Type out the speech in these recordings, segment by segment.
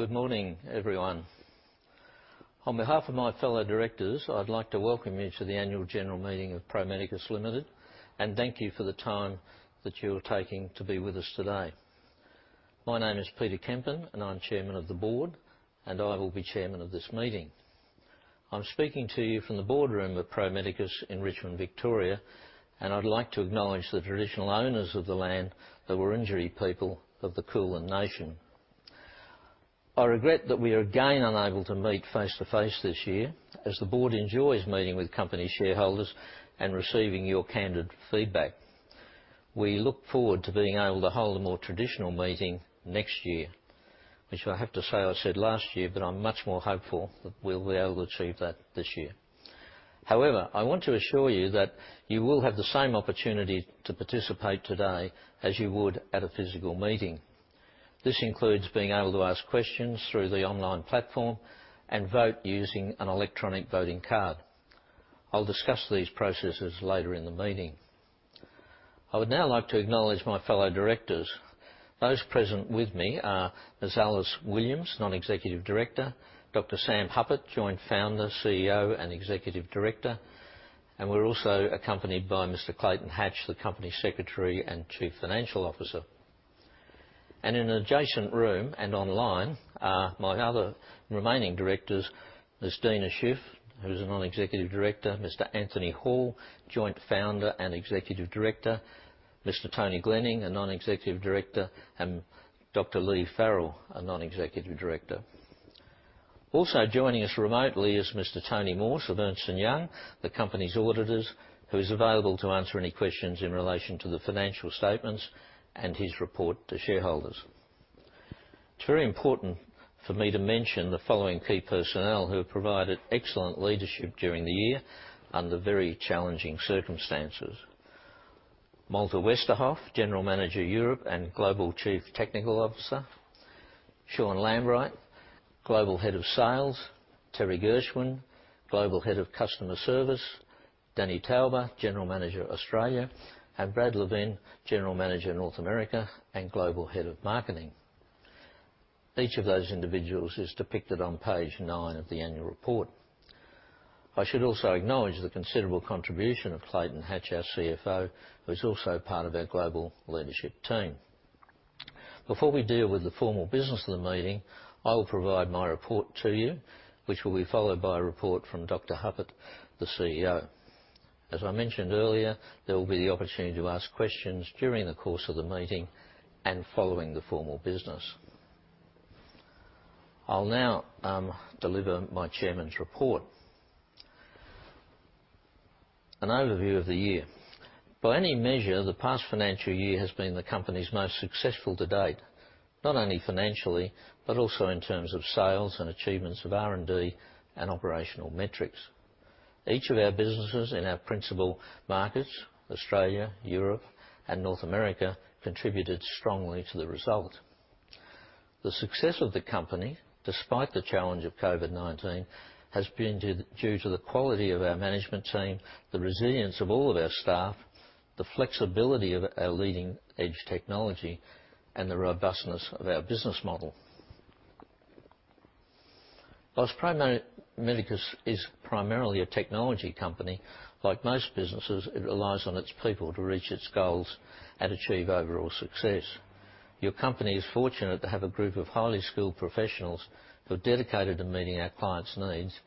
Good morning, everyone. On behalf of my fellow directors, I'd like to welcome you to the Annual General Meeting of Pro Medicus Limited, and thank you for the time that you're taking to be with us today. My name is Peter Kempen, and I'm Chairman of the Board, and I will be Chairman of this meeting. I'm speaking to you from the boardroom of Pro Medicus in Richmond, Victoria, and I'd like to acknowledge the traditional owners of the land, the Wurundjeri people of the Kulin nation. I regret that we are again unable to meet face-to-face this year, as the board enjoys meeting with company shareholders and receiving your candid feedback. We look forward to being able to hold a more traditional meeting next year, which I have to say I said last year, but I'm much more hopeful that we'll be able to achieve that this year. However, I want to assure you that you will have the same opportunity to participate today as you would at a physical meeting. This includes being able to ask questions through the online platform and vote using an electronic voting card. I'll discuss these processes later in the meeting. I would now like to acknowledge my fellow directors. Those present with me are Ms. Alice Williams, Non-Executive Director, Dr. Sam Hupert, Joint Founder, CEO, and Executive Director, and we're also accompanied by Mr. Clayton Hatch, the Company Secretary and Chief Financial Officer. In an adjacent room and online are my other remaining directors. Ms. Deena Shiff, who is a Non-Executive Director, Mr. Anthony Hall, Joint Founder and Executive Director, Mr. Anthony Glenning, a Non-Executive Director, and Dr. Leigh Farrell, a Non-Executive Director. Also joining us remotely is Mr. Tony Morse of Ernst & Young, the company's auditors, who is available to answer any questions in relation to the financial statements and his report to shareholders. It's very important for me to mention the following key personnel who have provided excellent leadership during the year under very challenging circumstances. Malte Westerhoff, General Manager, Europe, and Global Chief Technology Officer, Sean Lambright, Global Head of Sales, Teresa Gschwind, Global Head of Customer Service, Danny Tauber, General Manager, Australia, and Brad Levin, General Manager, North America, and Global Head of Marketing. Each of those individuals is depicted on page nine of the annual report. I should also acknowledge the considerable contribution of Clayton Hatch, our CFO, who is also part of our global leadership team. Before we deal with the formal business of the meeting, I will provide my report to you, which will be followed by a report from Dr. Hupert, the CEO. As I mentioned earlier, there will be the opportunity to ask questions during the course of the meeting and following the formal business. I'll now deliver my chairman's report. An overview of the year. By any measure, the past financial year has been the company's most successful to date, not only financially, but also in terms of sales and achievements of R&D and operational metrics. Each of our businesses in our principal markets, Australia, Europe, and North America, contributed strongly to the result. The success of the company, despite the challenge of COVID-19, has been due to the quality of our management team, the resilience of all of our staff, the flexibility of our leading-edge technology, and the robustness of our business model. While Pro Medicus is primarily a technology company, like most businesses, it relies on its people to reach its goals and achieve overall success. Your company is fortunate to have a group of highly skilled professionals who are dedicated to meeting our clients' needs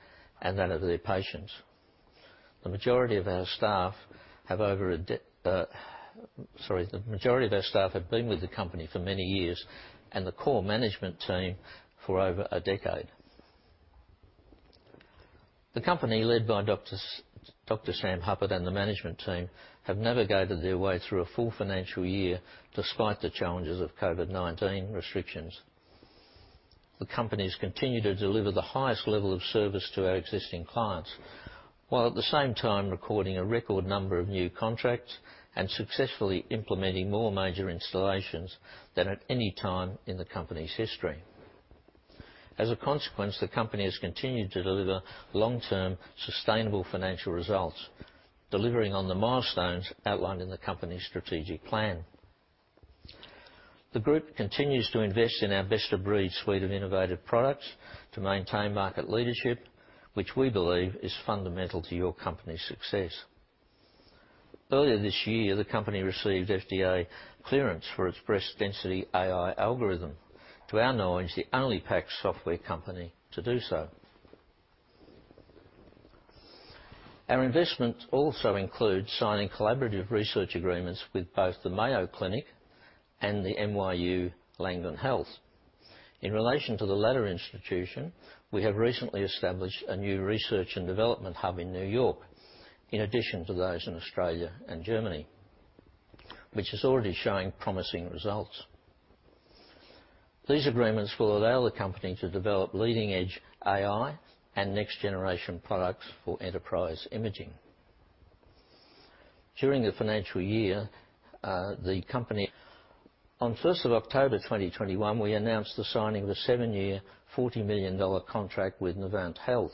and that of their patients. The majority of our staff have been with the company for many years, and the core management team for over a decade. The company, led by Dr. Sam Hupert and the management team, have navigated their way through a full financial year despite the challenges of COVID-19 restrictions. The company's continued to deliver the highest level of service to our existing clients, while at the same time recording a record number of new contracts and successfully implementing more major installations than at any time in the company's history. As a consequence, the company has continued to deliver long-term sustainable financial results, delivering on the milestones outlined in the company's strategic plan. The group continues to invest in our best-of-breed suite of innovative products to maintain market leadership, which we believe is fundamental to your company's success. Earlier this year, the company received FDA clearance for its breast density AI algorithm, to our knowledge, the only PACS software company to do so. Our investment also includes signing collaborative research agreements with both the Mayo Clinic and the NYU Langone Health. In relation to the latter institution, we have recently established a new research and development hub in New York, in addition to those in Australia and Germany, which is already showing promising results. These agreements will allow the company to develop leading-edge AI and next-generation products for enterprise imaging. During the financial year, on 1st of October 2021, we announced the signing of a seven-year, $40 million contract with Novant Health,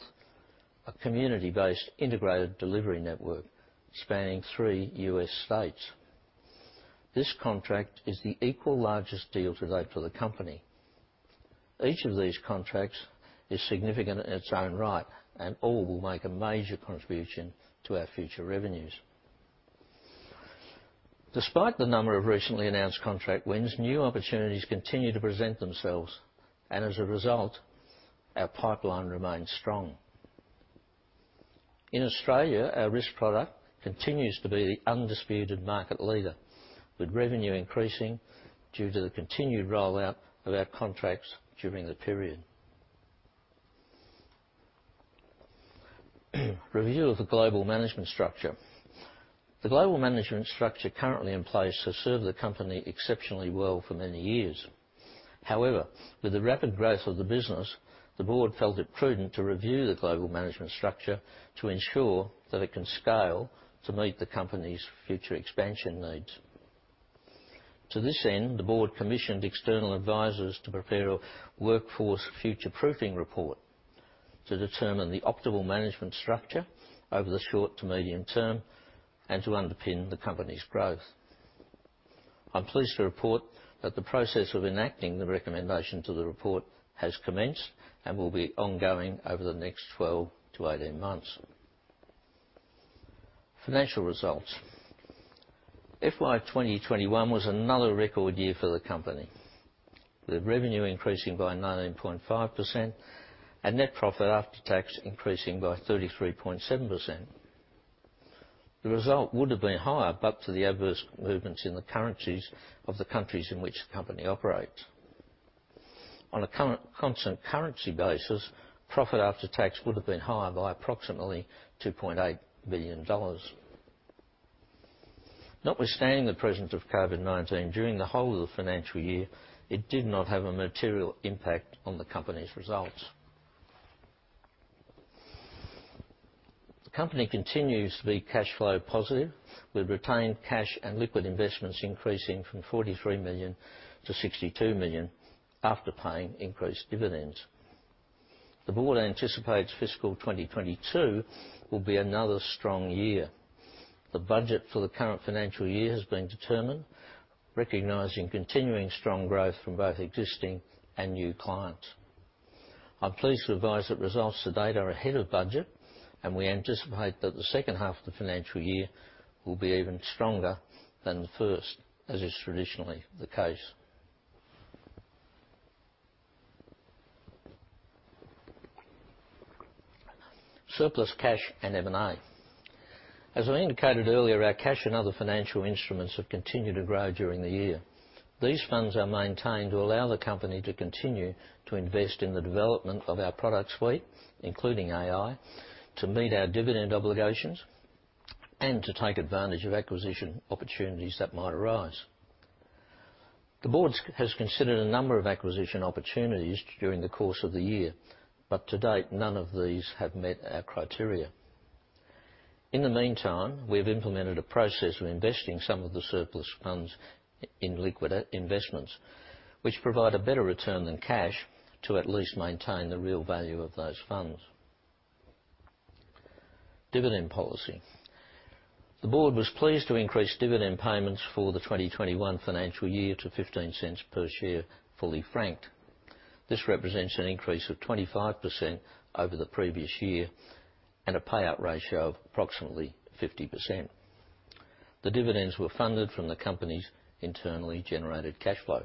a community-based integrated delivery network spanning three U.S. states. This contract is the equal largest deal to date for the company. Each of these contracts is significant in its own right, and all will make a major contribution to our future revenues. Despite the number of recently announced contract wins, new opportunities continue to present themselves. As a result, our pipeline remains strong. In Australia, our RIS product continues to be the undisputed market leader, with revenue increasing due to the continued rollout of our contracts during the period. Review of the global management structure. The global management structure currently in place has served the company exceptionally well for many years. However, with the rapid growth of the business, the board felt it prudent to review the global management structure to ensure that it can scale to meet the company's future expansion needs. To this end, the board commissioned external advisors to prepare a workforce future-proofing report to determine the optimal management structure over the short to medium term and to underpin the company's growth. I'm pleased to report that the process of enacting the recommendations of the report has commenced and will be ongoing over the next 12 to 18 months. Financial results. FY 2021 was another record year for the company, with revenue increasing by 19.5% and net profit after tax increasing by 33.7%. The result would have been higher, but due to the adverse movements in the currencies of the countries in which the company operates. On a constant currency basis, profit after tax would have been higher by approximately 2.8 billion dollars. Notwithstanding the presence of COVID-19 during the whole of the financial year, it did not have a material impact on the company's results. The company continues to be cash flow positive, with retained cash and liquid investments increasing from AUD 43 million-AUD 62 million after paying increased dividends. The board anticipates fiscal 2022 will be another strong year. The budget for the current financial year has been determined, recognizing continuing strong growth from both existing and new clients. I'm pleased to advise that results to date are ahead of budget, and we anticipate that the second half of the financial year will be even stronger than the first, as is traditionally the case. Surplus cash and M&A. As I indicated earlier, our cash and other financial instruments have continued to grow during the year. These funds are maintained to allow the company to continue to invest in the development of our product suite, including AI, to meet our dividend obligations and to take advantage of acquisition opportunities that might arise. The board has considered a number of acquisition opportunities during the course of the year, but to date, none of these have met our criteria. In the meantime, we've implemented a process of investing some of the surplus funds in liquid investments, which provide a better return than cash to at least maintain the real value of those funds. Dividend policy. The board was pleased to increase dividend payments for the 2021 financial year to 0.15 per share, fully franked. This represents an increase of 25% over the previous year and a payout ratio of approximately 50%. The dividends were funded from the company's internally generated cash flow.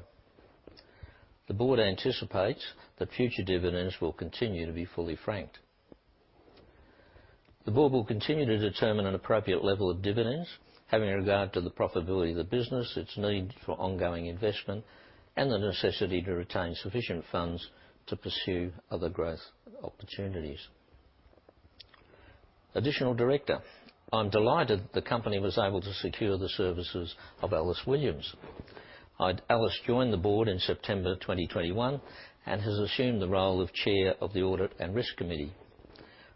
The board anticipates that future dividends will continue to be fully franked. The board will continue to determine an appropriate level of dividends, having regard to the profitability of the business, its need for ongoing investment, and the necessity to retain sufficient funds to pursue other growth opportunities. Additional director. I'm delighted the company was able to secure the services of Ms. Alice Williams. Alice joined the board in September 2021 and has assumed the role of Chair of the Audit and Risk Committee.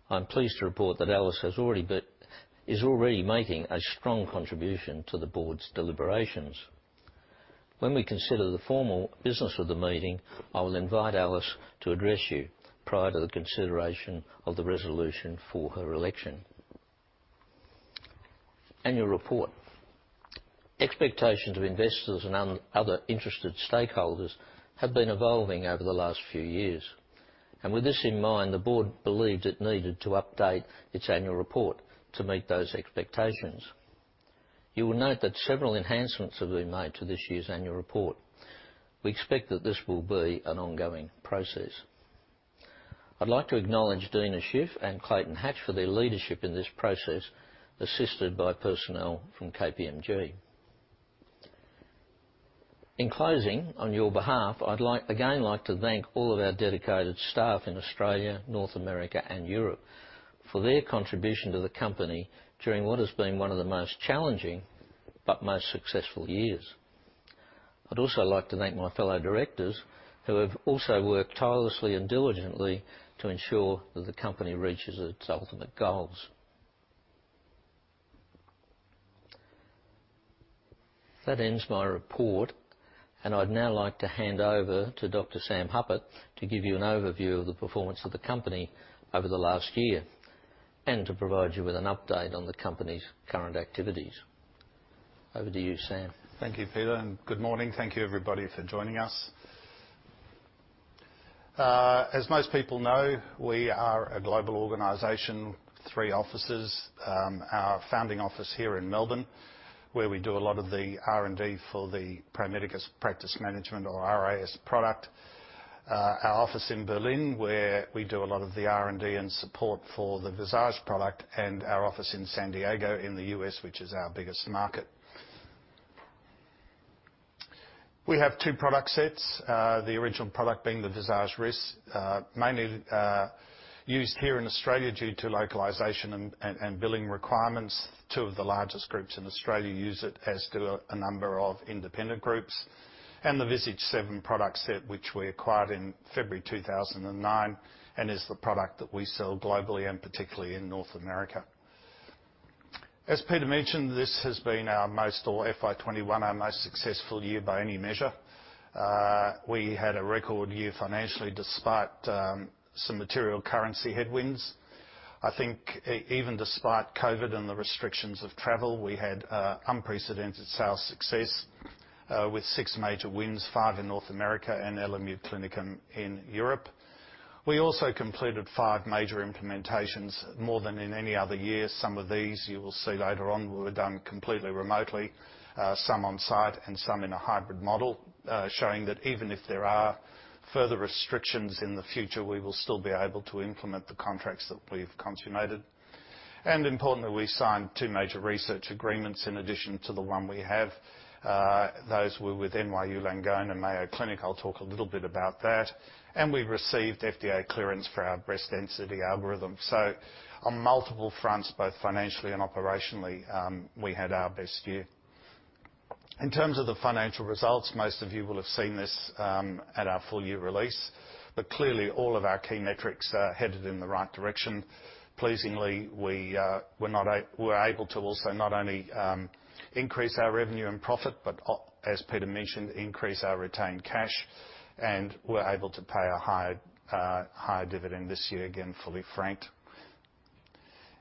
I'm pleased to report that Alice is already making a strong contribution to the board's deliberations. When we consider the formal business of the meeting, I will invite Alice to address you prior to the consideration of the resolution for her election. Annual report. Expectations of investors and other interested stakeholders have been evolving over the last few years. With this in mind, the board believed it needed to update its annual report to meet those expectations. You will note that several enhancements have been made to this year's annual report. We expect that this will be an ongoing process. I'd like to acknowledge Deena Shiff and Clayton Hatch for their leadership in this process, assisted by personnel from KPMG. In closing, on your behalf, I'd like, again, to thank all of our dedicated staff in Australia, North America, and Europe for their contribution to the company during what has been one of the most challenging but most successful years. I'd also like to thank my fellow directors who have also worked tirelessly and diligently to ensure that the company reaches its ultimate goals. That ends my report, and I'd now like to hand over to Dr. Sam Hupert to give you an overview of the performance of the company over the last year. To provide you with an update on the company's current activities. Over to you, Sam. Thank you, Peter, and good morning. Thank you, everybody, for joining us. As most people know, we are a global organization, three offices. Our founding office here in Melbourne, where we do a lot of the R&D for the Pro Medicus practice management or RIS product. Our office in Berlin, where we do a lot of the R&D and support for the Visage product, and our office in San Diego in the U.S., which is our biggest market. We have two product sets. The original product being the Visage RIS, mainly used here in Australia due to localization and billing requirements. Two of the largest groups in Australia use it, as do a number of independent groups. The Visage 7 product set, which we acquired in February 2009, and is the product that we sell globally and particularly in North America. As Peter mentioned, this has been FY 2021, our most successful year by any measure. We had a record year financially despite some material currency headwinds. I think even despite COVID and the restrictions of travel, we had unprecedented sales success with six major wins, five in North America and LMU Klinikum in Europe. We also completed five major implementations, more than in any other year. Some of these you will see later on were done completely remotely, some on-site and some in a hybrid model, showing that even if there are further restrictions in the future, we will still be able to implement the contracts that we've consummated. Importantly, we signed two major research agreements in addition to the one we have. Those were with NYU Langone and Mayo Clinic. I'll talk a little bit about that. We received FDA clearance for our breast density algorithm. On multiple fronts, both financially and operationally, we had our best year. In terms of the financial results, most of you will have seen this, at our full year release. Clearly, all of our key metrics are headed in the right direction. Pleasingly, we were able to also not only increase our revenue and profit, but, as Peter mentioned, increase our retained cash, and we're able to pay a higher dividend this year, again, fully franked.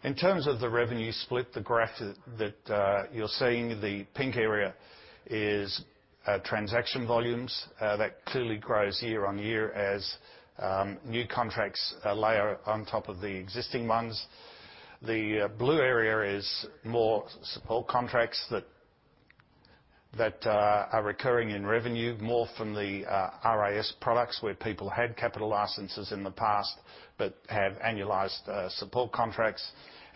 In terms of the revenue split, the graph that you're seeing, the pink area is transaction volumes. That clearly grows year on year as new contracts layer on top of the existing ones. The blue area is more support contracts that are recurring in revenue, more from the RIS products where people had capital licenses in the past but have annualized support contracts.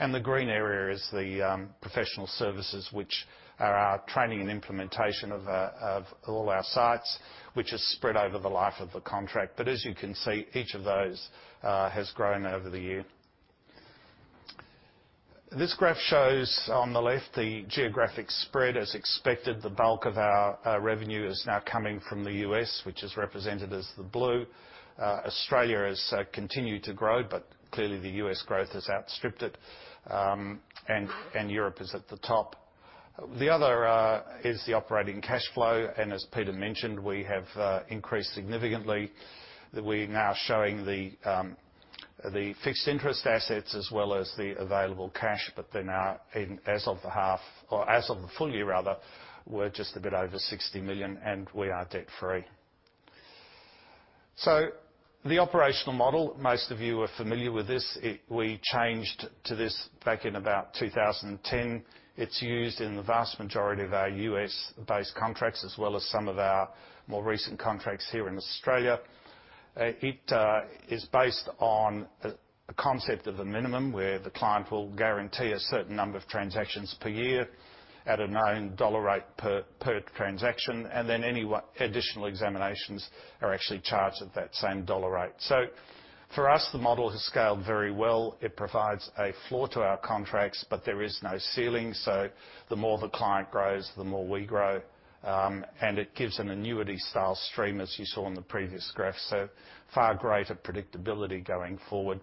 The green area is the professional services, which are our training and implementation of all our sites, which is spread over the life of the contract. As you can see, each of those has grown over the year. This graph shows on the left the geographic spread. As expected, the bulk of our revenue is now coming from the U.S., which is represented as the blue. Australia has continued to grow, but clearly the U.S. growth has outstripped it. Europe is at the top. The other is the operating cash flow, and as Peter mentioned, we have increased significantly, that we're now showing the fixed interest assets as well as the available cash, but they're now in as of the half, or as of the full year rather, we're just a bit over 60 million, and we are debt-free. The operational model, most of you are familiar with this. We changed to this back in about 2010. It's used in the vast majority of our U.S.-based contracts, as well as some of our more recent contracts here in Australia. It is based on a concept of a minimum where the client will guarantee a certain number of transactions per year at a known dollar rate per transaction, and then any additional examinations are actually charged at that same dollar rate. For us, the model has scaled very well. It provides a floor to our contracts, but there is no ceiling, so the more the client grows, the more we grow. It gives an annuity style stream, as you saw in the previous graph, so far greater predictability going forward.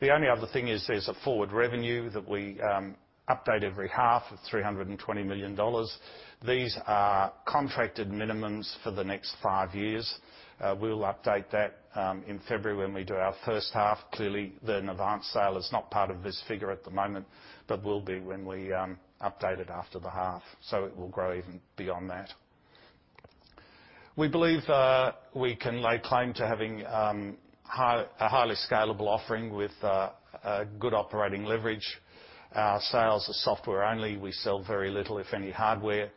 The only other thing is there's a forward revenue that we update every half of 320 million dollars. These are contracted minimums for the next 5 years. We'll update that in February when we do our first half. Clearly, the advanced sale is not part of this figure at the moment, but will be when we update it after the half, so it will grow even beyond that. We believe we can lay claim to having a highly scalable offering with a good operating leverage. Our sales are software only. We sell very little, if any, hardware.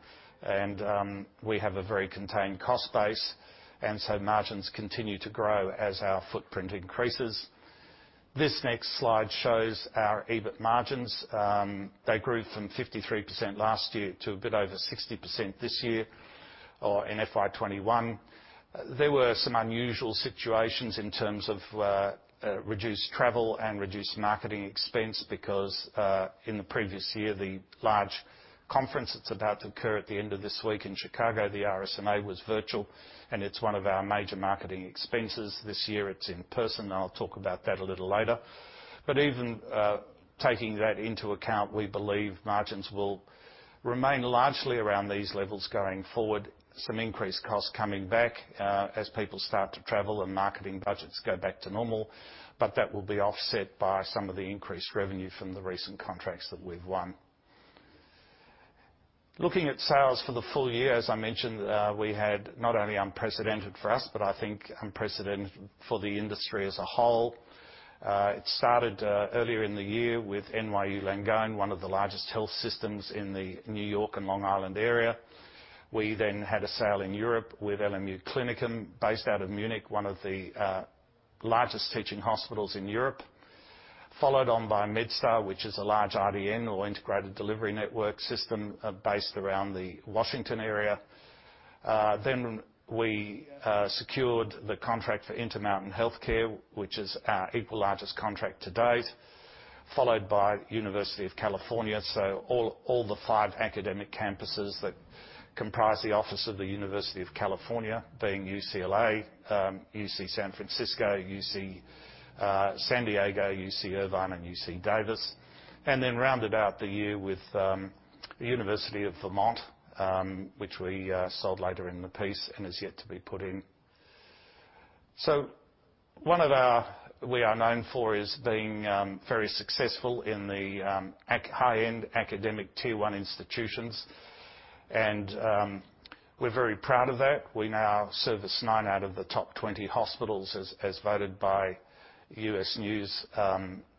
We have a very contained cost base, and so margins continue to grow as our footprint increases. This next slide shows our EBIT margins. They grew from 53% last year to a bit over 60% this year, or in FY 2021. There were some unusual situations in terms of reduced travel and reduced marketing expense because in the previous year, the large conference that's about to occur at the end of this week in Chicago, the RSNA was virtual, and it's one of our major marketing expenses. This year it's in person. I'll talk about that a little later. Even taking that into account, we believe margins will remain largely around these levels going forward. Some increased costs coming back, as people start to travel and marketing budgets go back to normal, but that will be offset by some of the increased revenue from the recent contracts that we've won. Looking at sales for the full year, as I mentioned, we had not only unprecedented for us, but I think unprecedented for the industry as a whole. It started earlier in the year with NYU Langone, one of the largest health systems in the New York and Long Island area. We then had a sale in Europe with LMU Klinikum, based out of Munich, one of the largest teaching hospitals in Europe, followed on by MedStar, which is a large IDN or Integrated Delivery Network system, based around the Washington area. We secured the contract for Intermountain Healthcare, which is our equal largest contract to date, followed by University of California, so all the five academic campuses that comprise the office of the University of California, being UCLA, UC San Francisco, UC San Diego, UC Irvine, and UC Davis, and then rounded out the year with the University of Vermont, which we sold later in the piece and is yet to be put in. One of our strengths we are known for is being very successful in the high-end academic Tier 1 institutions, and we're very proud of that. We now service nine out of the top twenty hospitals as voted by U.S. News,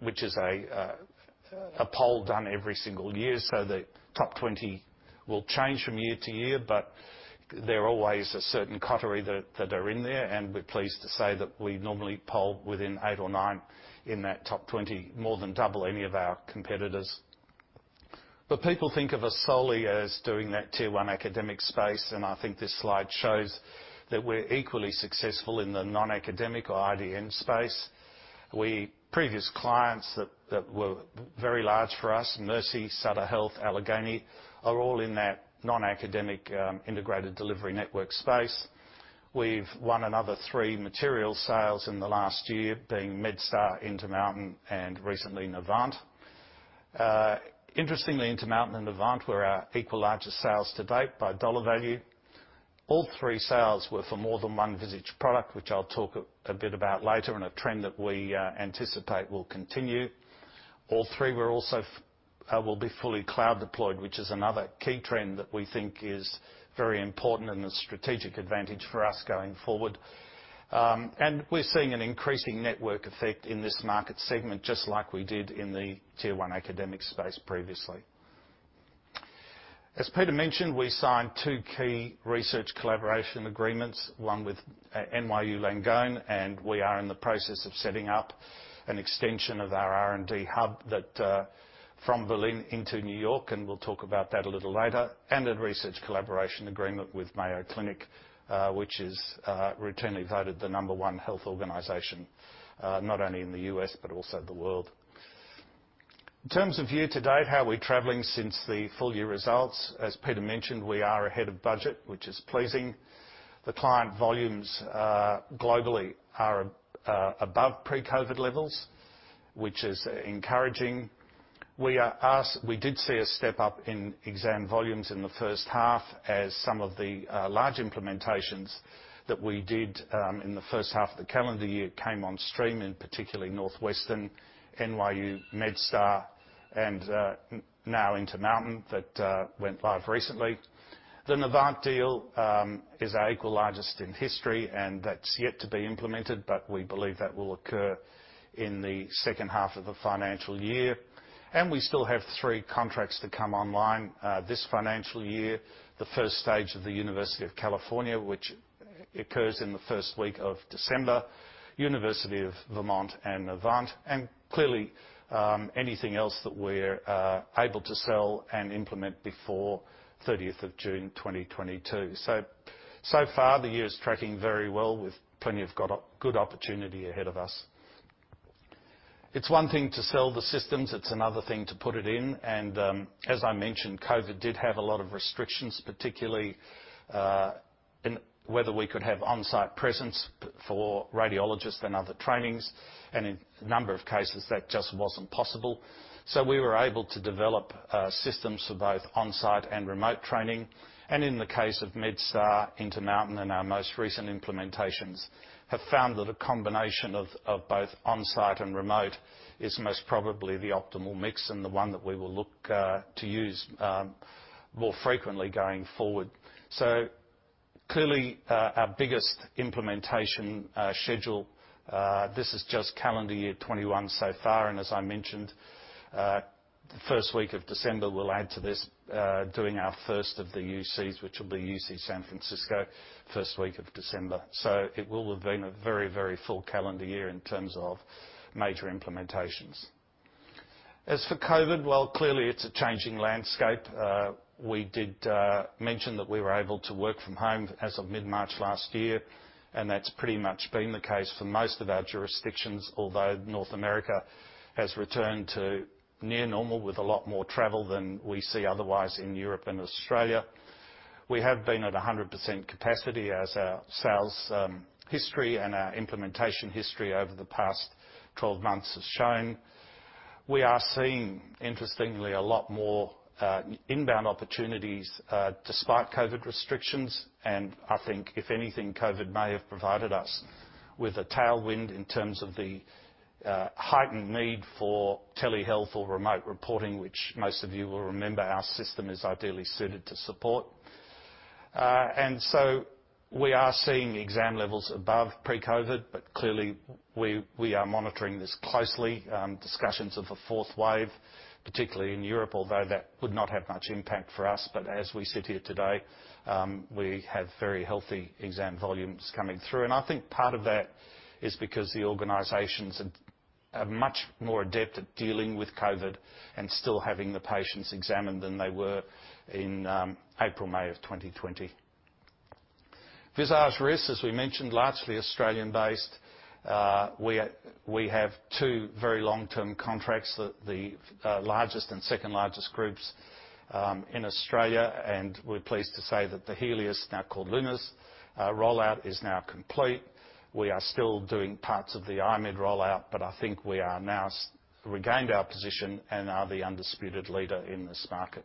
which is a poll done every single year. The top 20 will change from year to year, but there are always a certain coterie that are in there, and we're pleased to say that we normally poll within eight or nine in that top 20, more than double any of our competitors. People think of us solely as doing that Tier 1 academic space, and I think this slide shows that we're equally successful in the non-academic or IDN space. Previous clients that were very large for us, Mercy, Sutter Health, Allegheny, are all in that non-academic, integrated delivery network space. We've won another three material sales in the last year, being MedStar, Intermountain, and recently Novant. Interestingly, Intermountain and Novant were our equal largest sales to date by dollar value. All three sales were for more than one Visage product, which I'll talk a bit about later, and a trend that we anticipate will continue. All three will also be fully cloud deployed, which is another key trend that we think is very important and a strategic advantage for us going forward. We're seeing an increasing network effect in this market segment, just like we did in the Tier 1 academic space previously. As Peter mentioned, we signed two key research collaboration agreements, one with NYU Langone, and we are in the process of setting up an extension of our R&D hub that from Berlin into New York, and we'll talk about that a little later. A research collaboration agreement with Mayo Clinic, which is routinely voted the number one health organization, not only in the U.S., but also the world. In terms of year to date, how are we traveling since the full year results? As Peter mentioned, we are ahead of budget, which is pleasing. The client volumes globally are above pre-COVID levels, which is encouraging. We did see a step-up in exam volumes in the first half as some of the large implementations that we did in the first half of the calendar year came on stream, in particularly Northwestern Medicine, NYU Langone Health, MedStar Health, and now Intermountain Healthcare that went live recently. The Novant deal is our equal largest in history, and that's yet to be implemented, but we believe that will occur in the second half of the financial year. We still have three contracts to come online this financial year. The first stage of the University of California, which occurs in the first week of December, University of Vermont and Novant, and clearly anything else that we're able to sell and implement before 30th of June, 2022. So far the year is tracking very well with plenty of good opportunity ahead of us. It's one thing to sell the systems, it's another thing to put it in, and as I mentioned, COVID did have a lot of restrictions, particularly in whether we could have on-site presence for radiologists and other trainings. In a number of cases, that just wasn't possible, so we were able to develop systems for both on-site and remote training. In the case of MedStar, Intermountain, and our most recent implementations, we have found that a combination of both on-site and remote is most probably the optimal mix and the one that we will look to use more frequently going forward. Clearly, our biggest implementation schedule this is just calendar year 2021 so far, and as I mentioned, the first week of December, we'll add to this doing our first of the UCs, which will be UC San Francisco, first week of December. It will have been a very, very full calendar year in terms of major implementations. As for COVID, well, clearly it's a changing landscape. We did mention that we were able to work from home as of mid-March last year, and that's pretty much been the case for most of our jurisdictions, although North America has returned to near normal with a lot more travel than we see otherwise in Europe and Australia. We have been at 100% capacity as our sales history and our implementation history over the past 12 months has shown. We are seeing, interestingly, a lot more inbound opportunities despite COVID restrictions, and I think if anything, COVID may have provided us with a tailwind in terms of the heightened need for telehealth or remote reporting, which most of you will remember our system is ideally suited to support. We are seeing exam levels above pre-COVID, but clearly we are monitoring this closely, discussions of a fourth wave, particularly in Europe, although that would not have much impact for us. As we sit here today, we have very healthy exam volumes coming through. I think part of that is because the organizations are much more adept at dealing with COVID and still having the patients examined than they were in April, May of 2020. Visage RIS, as we mentioned, largely Australian-based. We have two very long-term contracts, the largest and second-largest groups in Australia. We're pleased to say that the Healius, now called Lumus, rollout is now complete. We are still doing parts of the I-MED rollout, but I think we are now regained our position and are the undisputed leader in this market.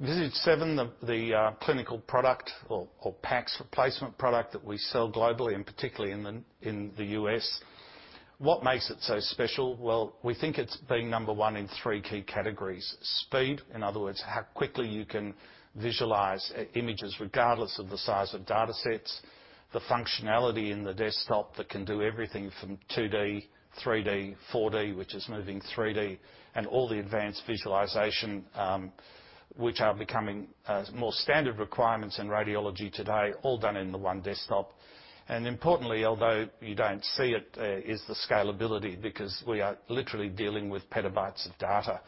Visage 7, the clinical product or PACS replacement product that we sell globally, and particularly in the U.S. What makes it so special? Well, we think it's being number one in three key categories. Speed, in other words, how quickly you can visualize images regardless of the size of datasets. The functionality in the desktop that can do everything from 2D, 3D, 4D, which is moving 3D, and all the advanced visualization, which are becoming more standard requirements in radiology today, all done in the one desktop. Importantly, although you don't see it, is the scalability, because we are literally dealing with petabytes of data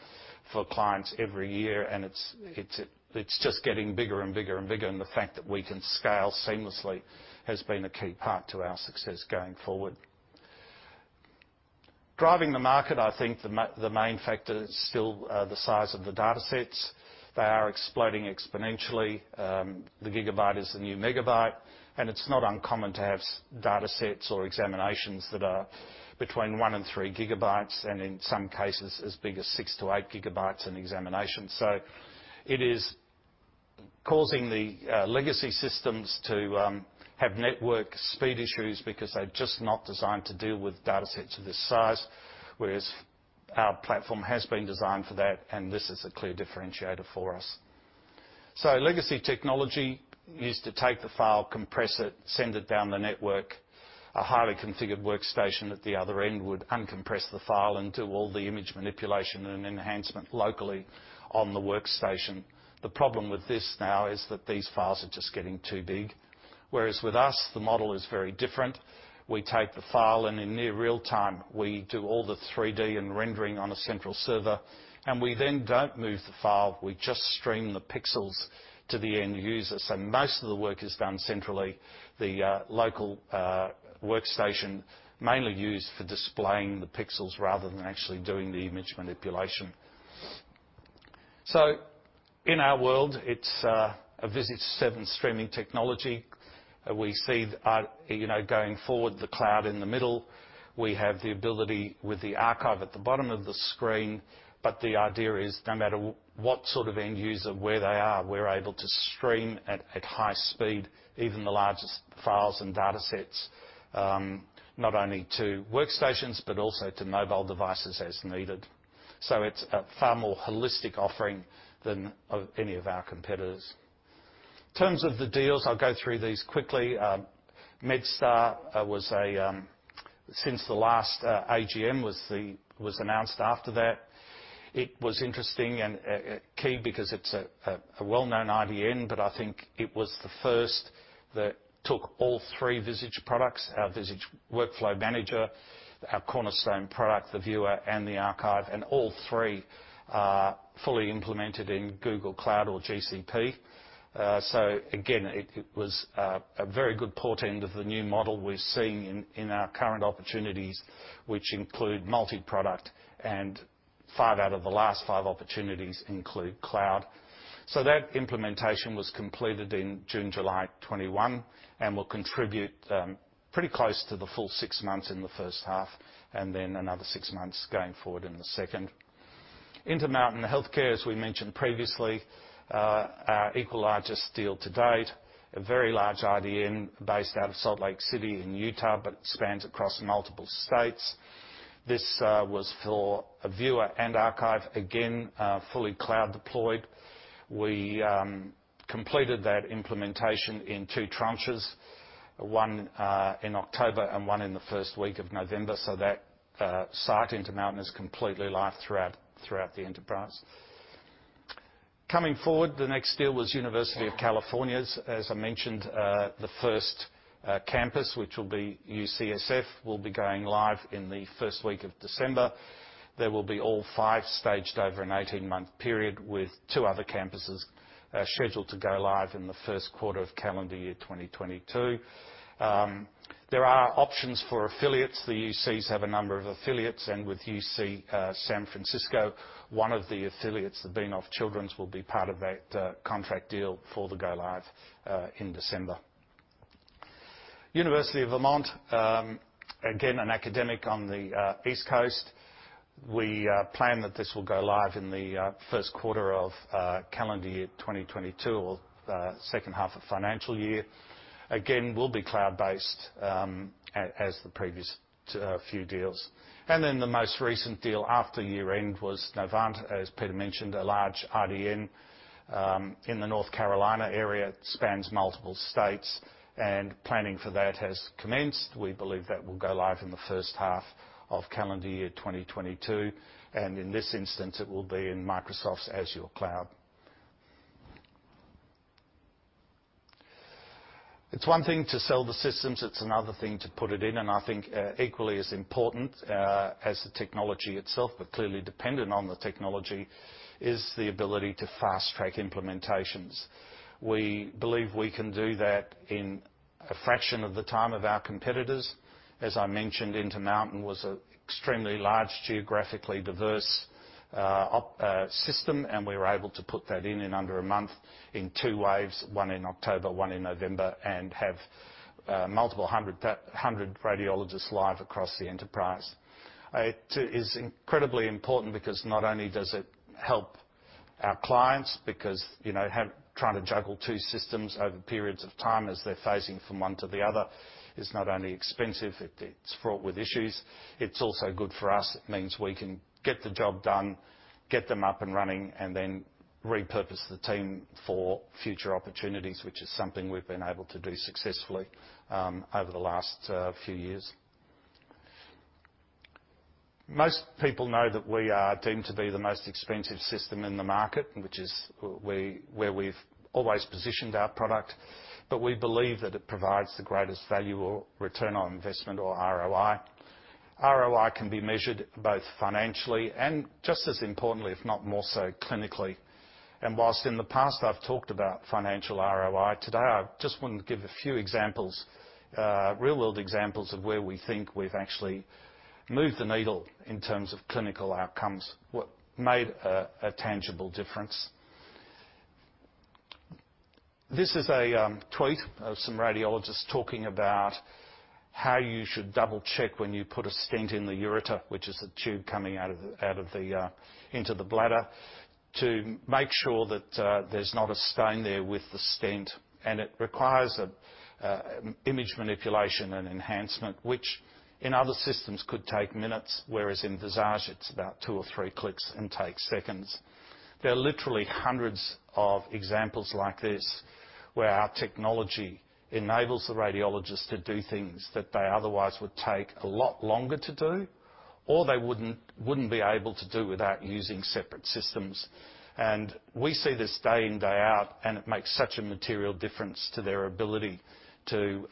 for clients every year, and it's just getting bigger and bigger and bigger, and the fact that we can scale seamlessly has been a key part to our success going forward. Driving the market, I think the main factor is still the size of the datasets. They are exploding exponentially. The gigabyte is the new megabyte, and it's not uncommon to have datasets or examinations that are between 1 GB-3 GB, and in some cases, as big as 6 GB-8 GB an examination. It is causing the Legacy systems to have network speed issues because they're just not designed to deal with datasets of this size, whereas our platform has been designed for that, and this is a clear differentiator for us. Legacy technology used to take the file, compress it, send it down the network. A highly configured workstation at the other end would uncompress the file and do all the image manipulation and enhancement locally on the workstation. The problem with this now is that these files are just getting too big. Whereas with us, the model is very different. We take the file, and in near real time, we do all the 3D and rendering on a central server, and we then don't move the file. We just stream the pixels to the end user. Most of the work is done centrally. The local workstation mainly used for displaying the pixels rather than actually doing the image manipulation. In our world, it's a Visage 7 streaming technology. We see, you know, going forward the cloud in the middle. We have the ability with the archive at the bottom of the screen. The idea is no matter what sort of end user, where they are, we're able to stream at high speed, even the largest files and datasets, not only to workstations, but also to mobile devices as needed. It's a far more holistic offering than of any of our competitors. In terms of the deals, I'll go through these quickly. MedStar was a... Since the last AGM was announced after that. It was interesting and key because it's a well-known IDN, but I think it was the first that took all three Visage products, our Visage Workflow Manager, our cornerstone product, the Viewer, and the Archive, and all three are fully implemented in Google Cloud or GCP. Again, it was a very good portent of the new model we're seeing in our current opportunities, which include multi-product, and five out of the last five opportunities include cloud. That implementation was completed in June, July 2021 and will contribute pretty close to the full six months in the first half and then another six months going forward in the second. Intermountain Healthcare, as we mentioned previously, our equal largest deal to date, is a very large IDN based out of Salt Lake City in Utah, but spans across multiple states. This was for a Viewer and Archive, again, fully cloud deployed. We completed that implementation in two tranches, one in October and one in the first week of November. That site, Intermountain, is completely live throughout the enterprise. Coming forward, the next deal was University of California’s. As I mentioned, the first campus, which will be UCSF, will be going live in the first week of December. There will be all five staged over an 18-month period with two other campuses scheduled to go live in the first quarter of calendar year 2022. There are options for affiliates. The UCs have a number of affiliates, and with UC San Francisco, one of the affiliates, the Benioff Children's, will be part of that contract deal for the go-live in December. University of Vermont, again, an academic on the East Coast. We plan that this will go live in the first quarter of calendar year 2022 or the second half of financial year. Again, will be cloud based, as the previous few deals. The most recent deal after year-end was Novant, as Peter mentioned, a large IDN in the North Carolina area, spans multiple states. Planning for that has commenced. We believe that will go live in the first half of calendar year 2022, and in this instance, it will be in Microsoft's Azure cloud. It's one thing to sell the systems, it's another thing to put it in. I think, equally as important, as the technology itself, but clearly dependent on the technology, is the ability to fast-track implementations. We believe we can do that in a fraction of the time of our competitors. As I mentioned, Intermountain was an extremely large, geographically diverse, system, and we were able to put that in in under a month in two waves, one in October, one in November, and have multiple hundred radiologists live across the enterprise. It is incredibly important because not only does it help our clients because, you know, trying to juggle two systems over periods of time as they're phasing from one to the other is not only expensive, it's fraught with issues. It's also good for us. It means we can get the job done, get them up and running, and then repurpose the team for future opportunities, which is something we've been able to do successfully over the last few years. Most people know that we are deemed to be the most expensive system in the market, which is where we've always positioned our product. We believe that it provides the greatest value or return on investment or ROI. ROI can be measured both financially and, just as importantly, if not more so, clinically. While in the past I've talked about financial ROI, today I just want to give a few examples, real-world examples of where we think we've actually moved the needle in terms of clinical outcomes, what made a tangible difference. This is a tweet of some radiologists talking about how you should double-check when you put a stent in the ureter, which is a tube coming out of the into the bladder, to make sure that there's not a stone there with the stent. It requires a image manipulation and enhancement, which in other systems could take minutes, whereas in Visage, it's about two or three clicks and takes seconds. There are literally hundreds of examples like this where our technology enables the radiologist to do things that they otherwise would take a lot longer to do or they wouldn't be able to do without using separate systems. We see this day in, day out, and it makes such a material difference to their ability to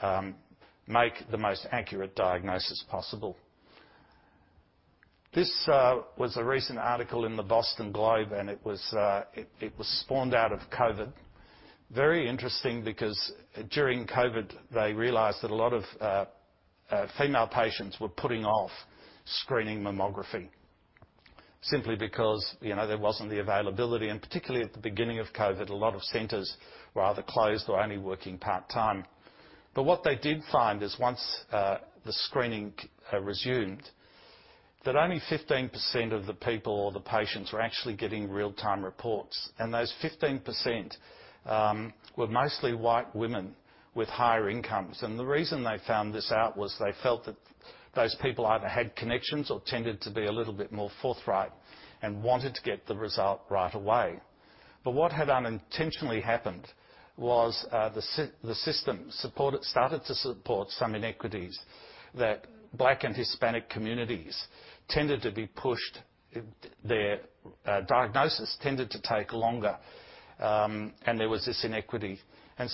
make the most accurate diagnosis possible. This was a recent article in The Boston Globe, and it was spawned out of COVID. Very interesting because during COVID, they realized that a lot of female patients were putting off screening mammography simply because, you know, there wasn't the availability, and particularly at the beginning of COVID, a lot of centers were either closed or only working part-time. What they did find is once the screening resumed, that only 15% of the people or the patients were actually getting real-time reports, and those 15% were mostly white women with higher incomes. The reason they found this out was they felt that those people either had connections or tended to be a little bit more forthright and wanted to get the result right away. What had unintentionally happened was the system started to support some inequities that Black and Hispanic communities tended to be pushed, their diagnosis tended to take longer. There was this inequity.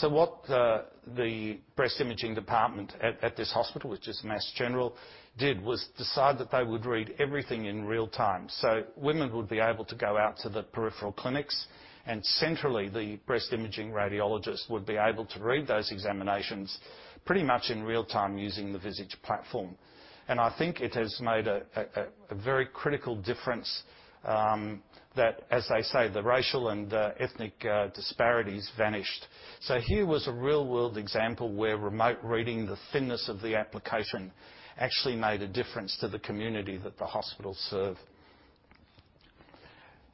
What the breast imaging department at this hospital, which is Mass General, did was decide that they would read everything in real time. Women would be able to go out to the peripheral clinics, and centrally, the breast imaging radiologist would be able to read those examinations pretty much in real time using the Visage platform. I think it has made a very critical difference, that, as they say, the racial and ethnic disparities vanished. Here was a real-world example where remote reading, the thinness of the application, actually made a difference to the community that the hospitals serve.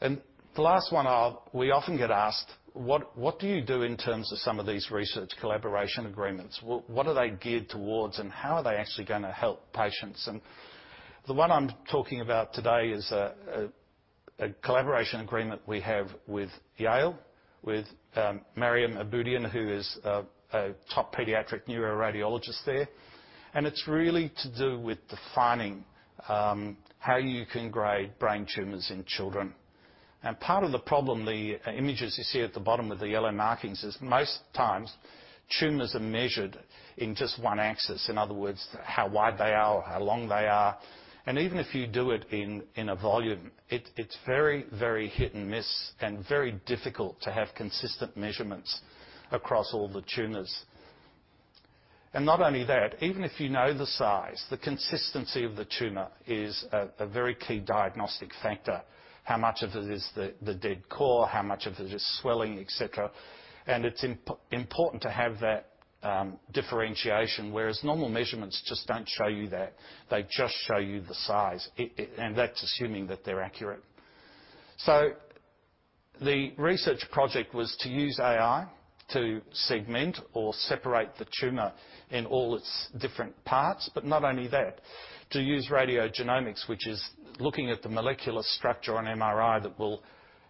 The last one, we often get asked, "What do you do in terms of some of these research collaboration agreements? What are they geared towards, and how are they actually gonna help patients?" The one I'm talking about today is a collaboration agreement we have with Yale, with Mariam Aboian, who is a top pediatric neuroradiologist there. It's really to do with defining how you can grade brain tumors in children. Part of the problem, the images you see at the bottom with the yellow markings, is most times, tumors are measured in just one axis. In other words, how wide they are or how long they are. Even if you do it in a volume, it's very hit and miss and very difficult to have consistent measurements across all the tumors. Not only that, even if you know the size, the consistency of the tumor is a very key diagnostic factor. How much of it is the dead core? How much of it is swelling, et cetera? It's important to have that differentiation, whereas normal measurements just don't show you that. They just show you the size. That's assuming that they're accurate. The research project was to use AI to segment or separate the tumor in all its different parts. Not only that, to use radiogenomics, which is looking at the molecular structure on MRI that will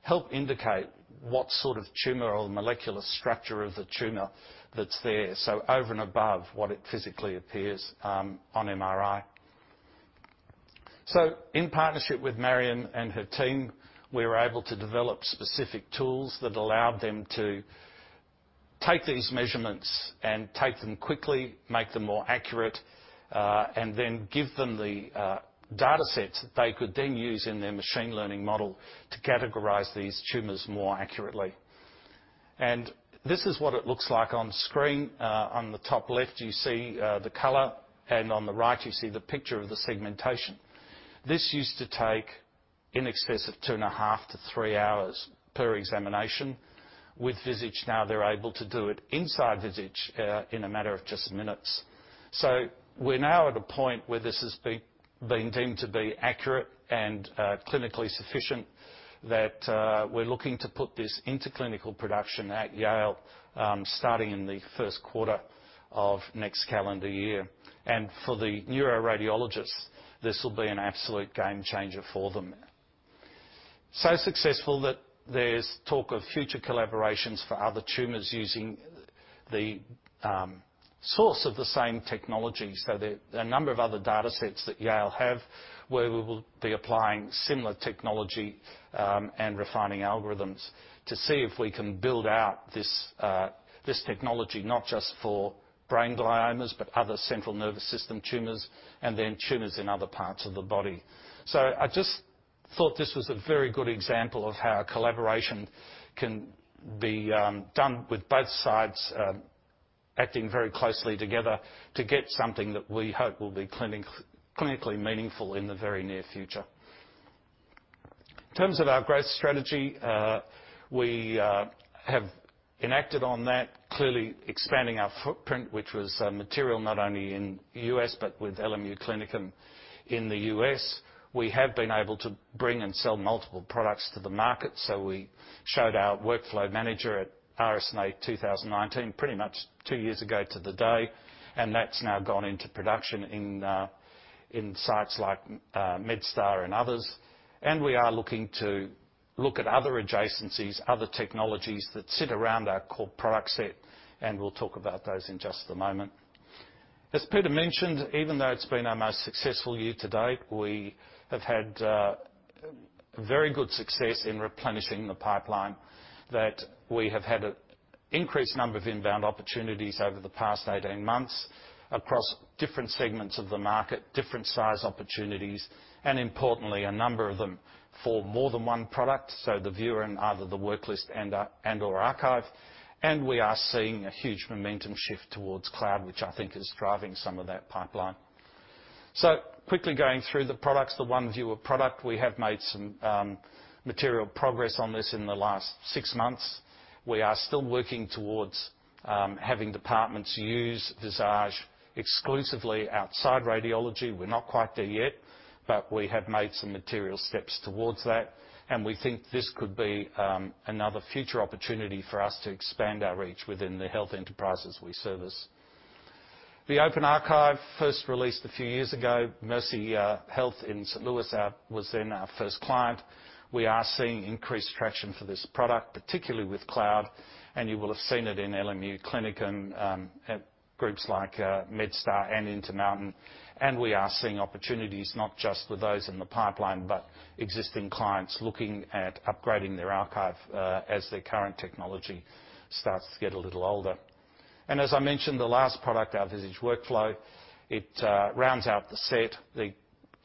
help indicate what sort of tumor or molecular structure of the tumor that's there, so over and above what it physically appears on MRI. In partnership with Mariam and her team, we were able to develop specific tools that allowed them to take these measurements and take them quickly, make them more accurate, and then give them the data sets that they could then use in their machine learning model to categorize these tumors more accurately. This is what it looks like on screen. On the top left, you see the color, and on the right, you see the picture of the segmentation. This used to take in excess of two and a half to three hours per examination. With Visage now they're able to do it inside Visage in a matter of just minutes. We're now at a point where this has been deemed to be accurate and clinically sufficient that we're looking to put this into clinical production at Yale, starting in the first quarter of next calendar year. For the neuroradiologists, this will be an absolute game changer for them. Successful that there's talk of future collaborations for other tumors using the source of the same technology. There are a number of other datasets that Yale have where we will be applying similar technology and refining algorithms to see if we can build out this technology, not just for brain gliomas, but other central nervous system tumors and then tumors in other parts of the body. I just thought this was a very good example of how a collaboration can be done with both sides acting very closely together to get something that we hope will be clinically meaningful in the very near future. In terms of our growth strategy, we have enacted on that, clearly expanding our footprint, which was material not only in U.S., but with LMU Klinikum in the U.S. We have been able to bring and sell multiple products to the market. We showed our workflow manager at RSNA 2019, pretty much two years ago to the day, and that's now gone into production in sites like MedStar and others. We are looking at other adjacencies, other technologies that sit around our core product set, and we'll talk about those in just a moment. As Peter mentioned, even though it's been our most successful year to date, we have had very good success in replenishing the pipeline that we have had an increased number of inbound opportunities over the past 18 months across different segments of the market, different size opportunities, and importantly, a number of them for more than one product. The viewer and either the worklist and/or archive. We are seeing a huge momentum shift towards cloud, which I think is driving some of that pipeline. Quickly going through the products, the One Viewer product, we have made some material progress on this in the last 6 months. We are still working towards having departments use Visage exclusively outside radiology. We're not quite there yet, but we have made some material steps towards that, and we think this could be another future opportunity for us to expand our reach within the health enterprises we service. The Open Archive first released a few years ago, Mercy Health in St. Louis was then our first client. We are seeing increased traction for this product, particularly with cloud, and you will have seen it in LMU Klinikum and at groups like MedStar Health and Intermountain Healthcare. We are seeing opportunities not just with those in the pipeline, but existing clients looking at upgrading their archive as their current technology starts to get a little older. As I mentioned, the last product, our Visage Workflow, it rounds out the set.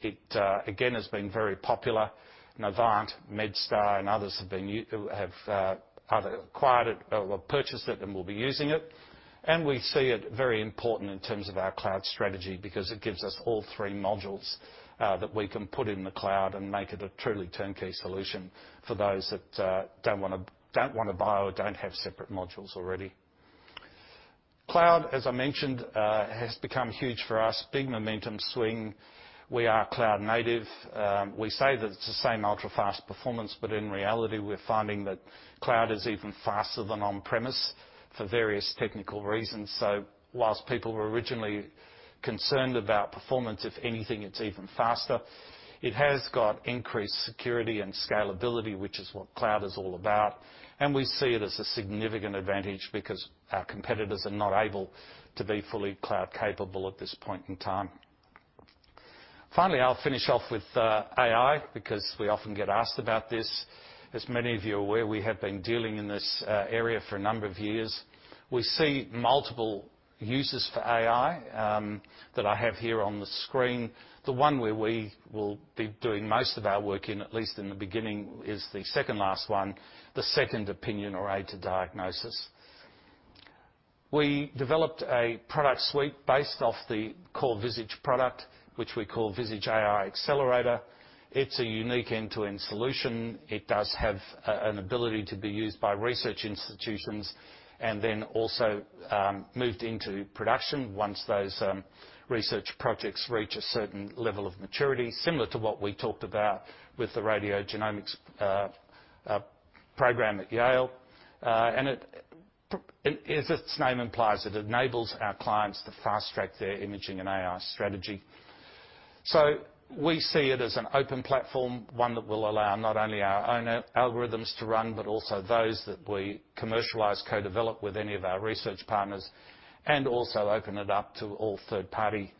It again has been very popular. Novant, MedStar, and others have either acquired it or purchased it and will be using it. We see it very important in terms of our cloud strategy because it gives us all three modules that we can put in the cloud and make it a truly turnkey solution for those that don't wanna buy or don't have separate modules already. Cloud, as I mentioned, has become huge for us. Big momentum swing. We are cloud native. We say that it's the same ultra-fast performance, but in reality, we're finding that cloud is even faster than on-premise for various technical reasons. While people were originally concerned about performance, if anything, it's even faster. It has got increased security and scalability, which is what cloud is all about. We see it as a significant advantage because our competitors are not able to be fully cloud capable at this point in time. Finally, I'll finish off with AI, because we often get asked about this. As many of you are aware, we have been dealing in this area for a number of years. We see multiple uses for AI that I have here on the screen. The one where we will be doing most of our work in, at least in the beginning, is the second last one, the second opinion or aid to diagnosis. We developed a product suite based off the core Visage product, which we call Visage AI Accelerator. It's a unique end-to-end solution. It does have an ability to be used by research institutions and then also moved into production once those research projects reach a certain level of maturity, similar to what we talked about with the radiogenomics program at Yale. It as its name implies, it enables our clients to fast-track their imaging and AI strategy. We see it as an open platform, one that will allow not only our own algorithms to run, but also those that we commercialize, co-develop with any of our research partners, and also open it up to all third-party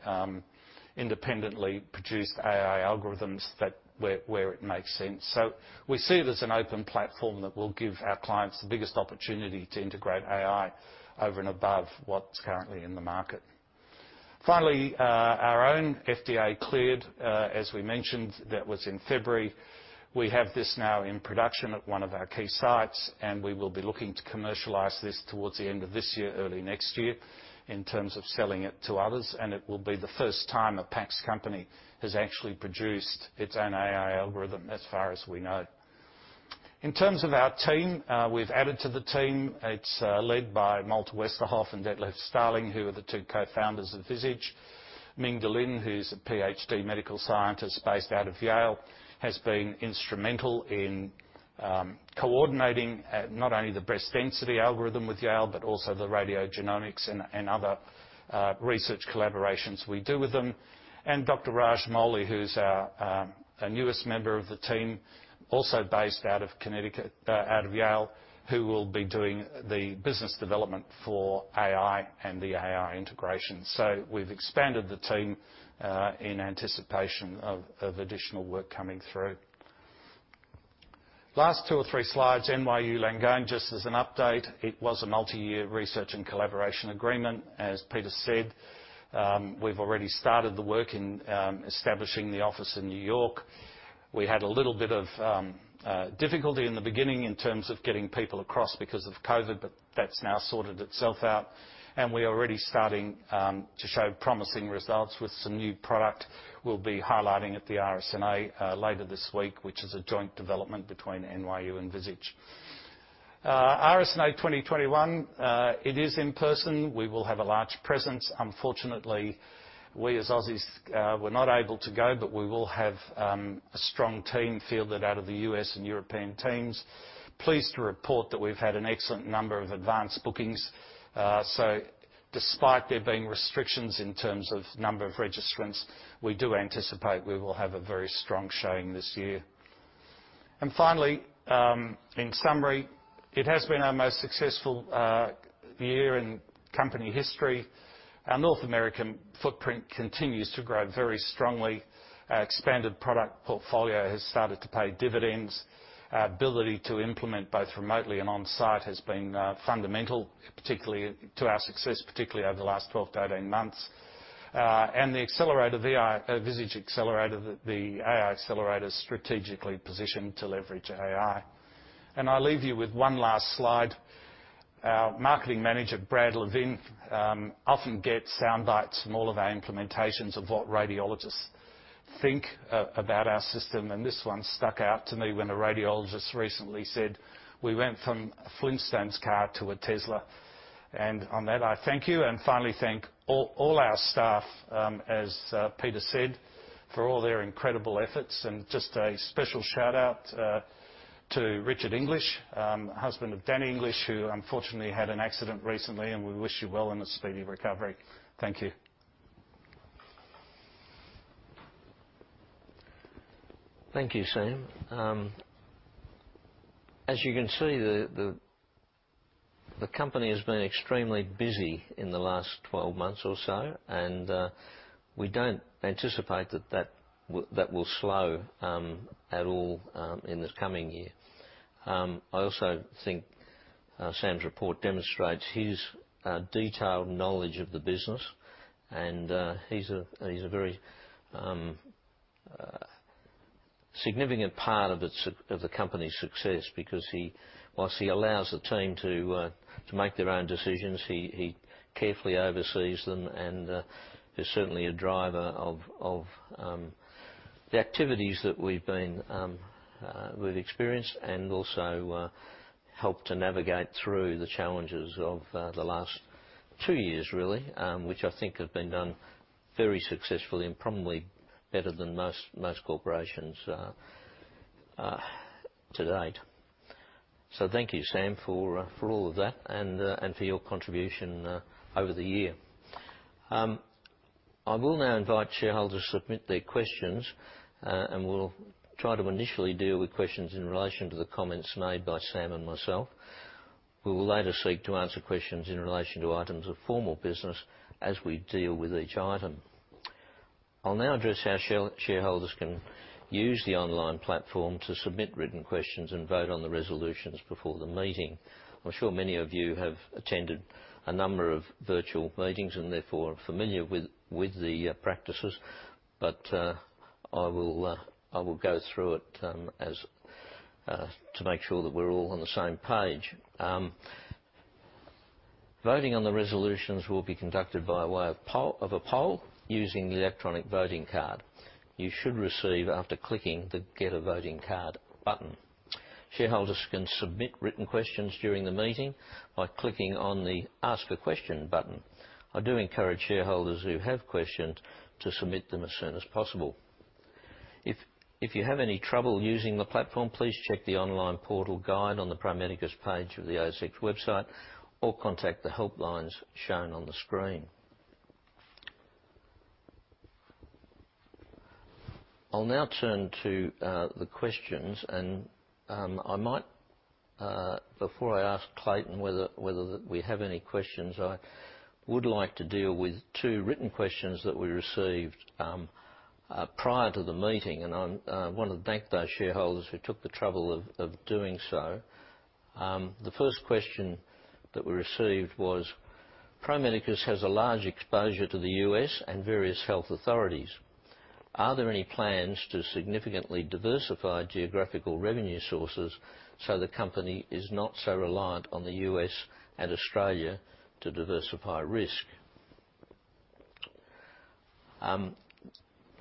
independently produced AI algorithms that where it makes sense. We see it as an open platform that will give our clients the biggest opportunity to integrate AI over and above what's currently in the market. Finally, our own FDA cleared, as we mentioned, that was in February. We have this now in production at one of our key sites, and we will be looking to commercialize this towards the end of this year, early next year, in terms of selling it to others, and it will be the first time a PACS company has actually produced its own AI algorithm, as far as we know. In terms of our team, we've added to the team. It's led by Malte Westerhoff and Detlev Stalling, who are the two co-founders of Visage. MingDe Lin, who's a Ph.D. medical scientist based out of Yale, has been instrumental in coordinating not only the breast density algorithm with Yale, but also the radiogenomics and other research collaborations we do with them. Raj Moily, who's our newest member of the team, also based out of Connecticut, out of Yale, who will be doing the business development for AI and the AI integration. We've expanded the team in anticipation of additional work coming through. Last two or three slides, NYU Langone, just as an update. It was a multi-year research and collaboration agreement, as Peter said. We've already started the work in establishing the office in New York. We had a little bit of difficulty in the beginning in terms of getting people across because of COVID, but that's now sorted itself fout, and we're already starting to show promising results with some new product we'll be highlighting at the RSNA later this week, which is a joint development between NYU and Visage. RSNA 2021, it is in person. We will have a large presence. Unfortunately, we as Aussies, we're not able to go, but we will have a strong team fielded out of the U.S. and European teams. Pleased to report that we've had an excellent number of advanced bookings. Despite there being restrictions in terms of number of registrants, we do anticipate we will have a very strong showing this year. Finally, in summary, it has been our most successful year in company history. Our North American footprint continues to grow very strongly. Our expanded product portfolio has started to pay dividends. Our ability to implement both remotely and on-site has been fundamental, particularly to our success, particularly over the last 12-18 months. The Visage AI Accelerator is strategically positioned to leverage AI. I'll leave you with one last slide. Our marketing manager, Brad Levine, often gets sound bites from all of our implementations of what radiologists think about our system, and this one stuck out to me when a radiologist recently said, "We went from a Flintstones car to a Tesla." On that, I thank you. I finally thank all our staff, as Peter said, for all their incredible efforts. Just a special shout-out to Richard English, husband of Danny English, who unfortunately had an accident recently, and we wish you well in a speedy recovery. Thank you. Thank you, Sam. As you can see, the company has been extremely busy in the last 12 months or so, and we don't anticipate that will slow at all in the coming year. I also think Sam's report demonstrates his detailed knowledge of the business, and he's a very significant part of the company's success because while he allows the team to make their own decisions, he carefully oversees them and is certainly a driver of the activities that we've experienced and also helped to navigate through the challenges of the last two years really, which I think have been done very successfully and probably better than most corporations to date. Thank you, Sam, for all of that and for your contribution over the year. I will now invite shareholders to submit their questions and we'll try to initially deal with questions in relation to the comments made by Sam and myself. We will later seek to answer questions in relation to items of formal business as we deal with each item. I'll now address how shareholders can use the online platform to submit written questions and vote on the resolutions before the meeting. I'm sure many of you have attended a number of virtual meetings and therefore are familiar with the practices, but I will go through it as to make sure that we're all on the same page. Voting on the resolutions will be conducted by way of poll using the electronic voting card you should receive after clicking the Get A Voting Card button. Shareholders can submit written questions during the meeting by clicking on the Ask a Question button. I do encourage shareholders who have questions to submit them as soon as possible. If you have any trouble using the platform, please check the online portal guide on the Pro Medicus page of the ASX website, or contact the help lines shown on the screen. I'll now turn to the questions and I might before I ask Clayton whether we have any questions, I would like to deal with two written questions that we received prior to the meeting, and I want to thank those shareholders who took the trouble of doing so. The first question that we received was, Pro Medicus has a large exposure to the U.S. and various health authorities. Are there any plans to significantly diversify geographical revenue sources so the company is not so reliant on the U.S. and Australia to diversify risk?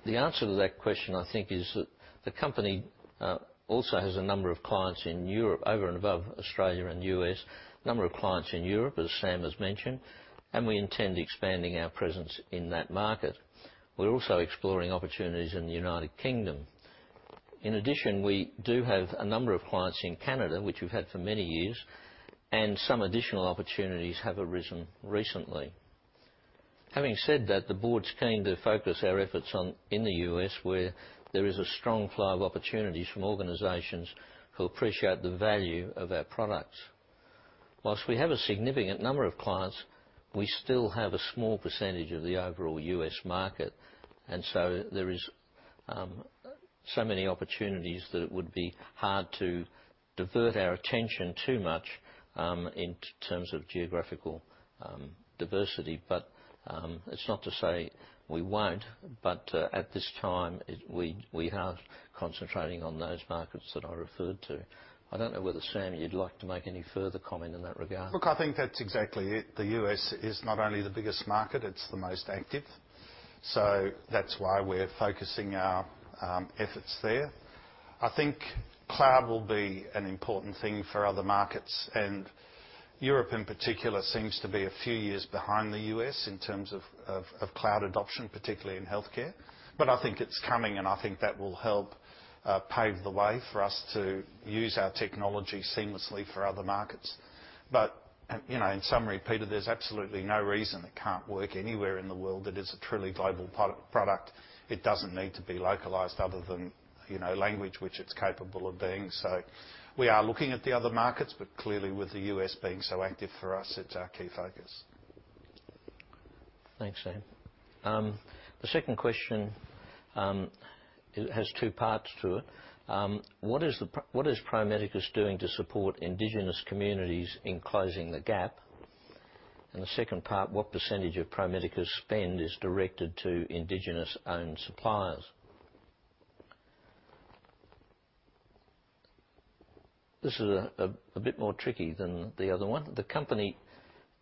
The answer to that question, I think, is that the company also has a number of clients in Europe, over and above Australia and U.S., a number of clients in Europe, as Sam has mentioned, and we intend expanding our presence in that market. We're also exploring opportunities in the United Kingdom. In addition, we do have a number of clients in Canada, which we've had for many years, and some additional opportunities have arisen recently. Having said that, the board's keen to focus our efforts on... in the U.S., where there is a strong flow of opportunities from organizations who appreciate the value of our products. While we have a significant number of clients, we still have a small percentage of the overall U.S. market. There is so many opportunities that it would be hard to divert our attention too much in terms of geographical diversity. It's not to say we won't, but at this time, we are concentrating on those markets that I referred to. I don't know whether, Sam, you'd like to make any further comment in that regard. Look, I think that's exactly it. The U.S. is not only the biggest market, it's the most active. That's why we're focusing our efforts there. I think cloud will be an important thing for other markets, and Europe in particular seems to be a few years behind the U.S. in terms of cloud adoption, particularly in healthcare. I think it's coming, and I think that will help pave the way for us to use our technology seamlessly for other markets. You know, in summary, Peter, there's absolutely no reason it can't work anywhere in the world. It is a truly global product. It doesn't need to be localized other than, you know, language, which it's capable of being. We are looking at the other markets, but clearly, with the U.S. being so active for us, it's our key focus. Thanks, Sam. The second question, it has two parts to it. What is Pro Medicus doing to support indigenous communities in closing the gap? And the second part, what percentage of Pro Medicus spend is directed to indigenous-owned suppliers? This is a bit more tricky than the other one. The company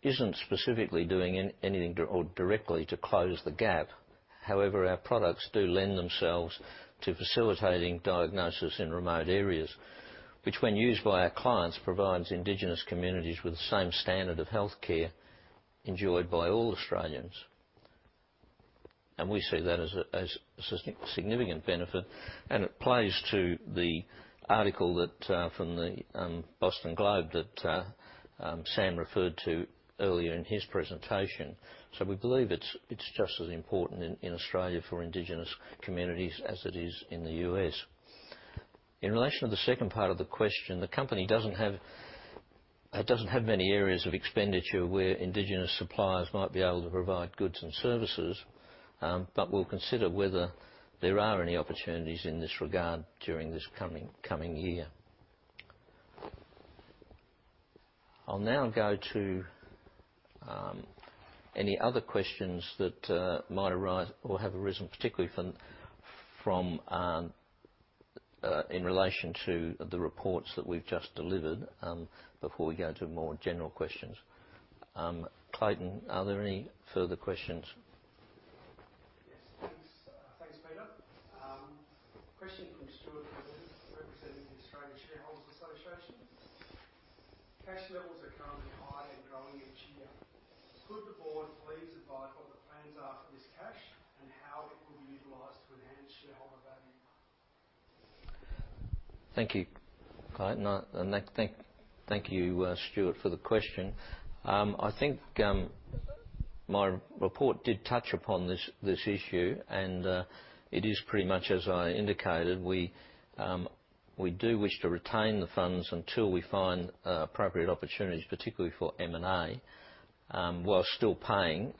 isn't specifically doing anything or directly to close the gap. However, our products do lend themselves to facilitating diagnosis in remote areas, which when used by our clients, provides indigenous communities with the same standard of healthcare enjoyed by all Australians. We see that as a significant benefit, and it plays to the article from the Boston Globe that Sam referred to earlier in his presentation. We believe it's just as important in Australia for Indigenous communities as it is in the U.S. In relation to the second part of the question, the company doesn't have many areas of expenditure where Indigenous suppliers might be able to provide goods and services, but we'll consider whether there are any opportunities in this regard during this coming year. I'll now go to any other questions that might arise or have arisen, particularly from in relation to the reports that we've just delivered, before we go to more general questions. Clayton, are there any further questions? Yes, please. Thanks, Peter. Question from Stuart Coleman, representing the Australian Shareholders' Association. Cash levels are currently high and growing each year. Could the board please advise what the plans are for this cash and how it will be utilized to enhance shareholder value? Thank you, Clayton. Thank you, Stuart, for the question. I think my report did touch upon this issue, and it is pretty much as I indicated. We do wish to retain the funds until we find appropriate opportunities, particularly for M&A, while still paying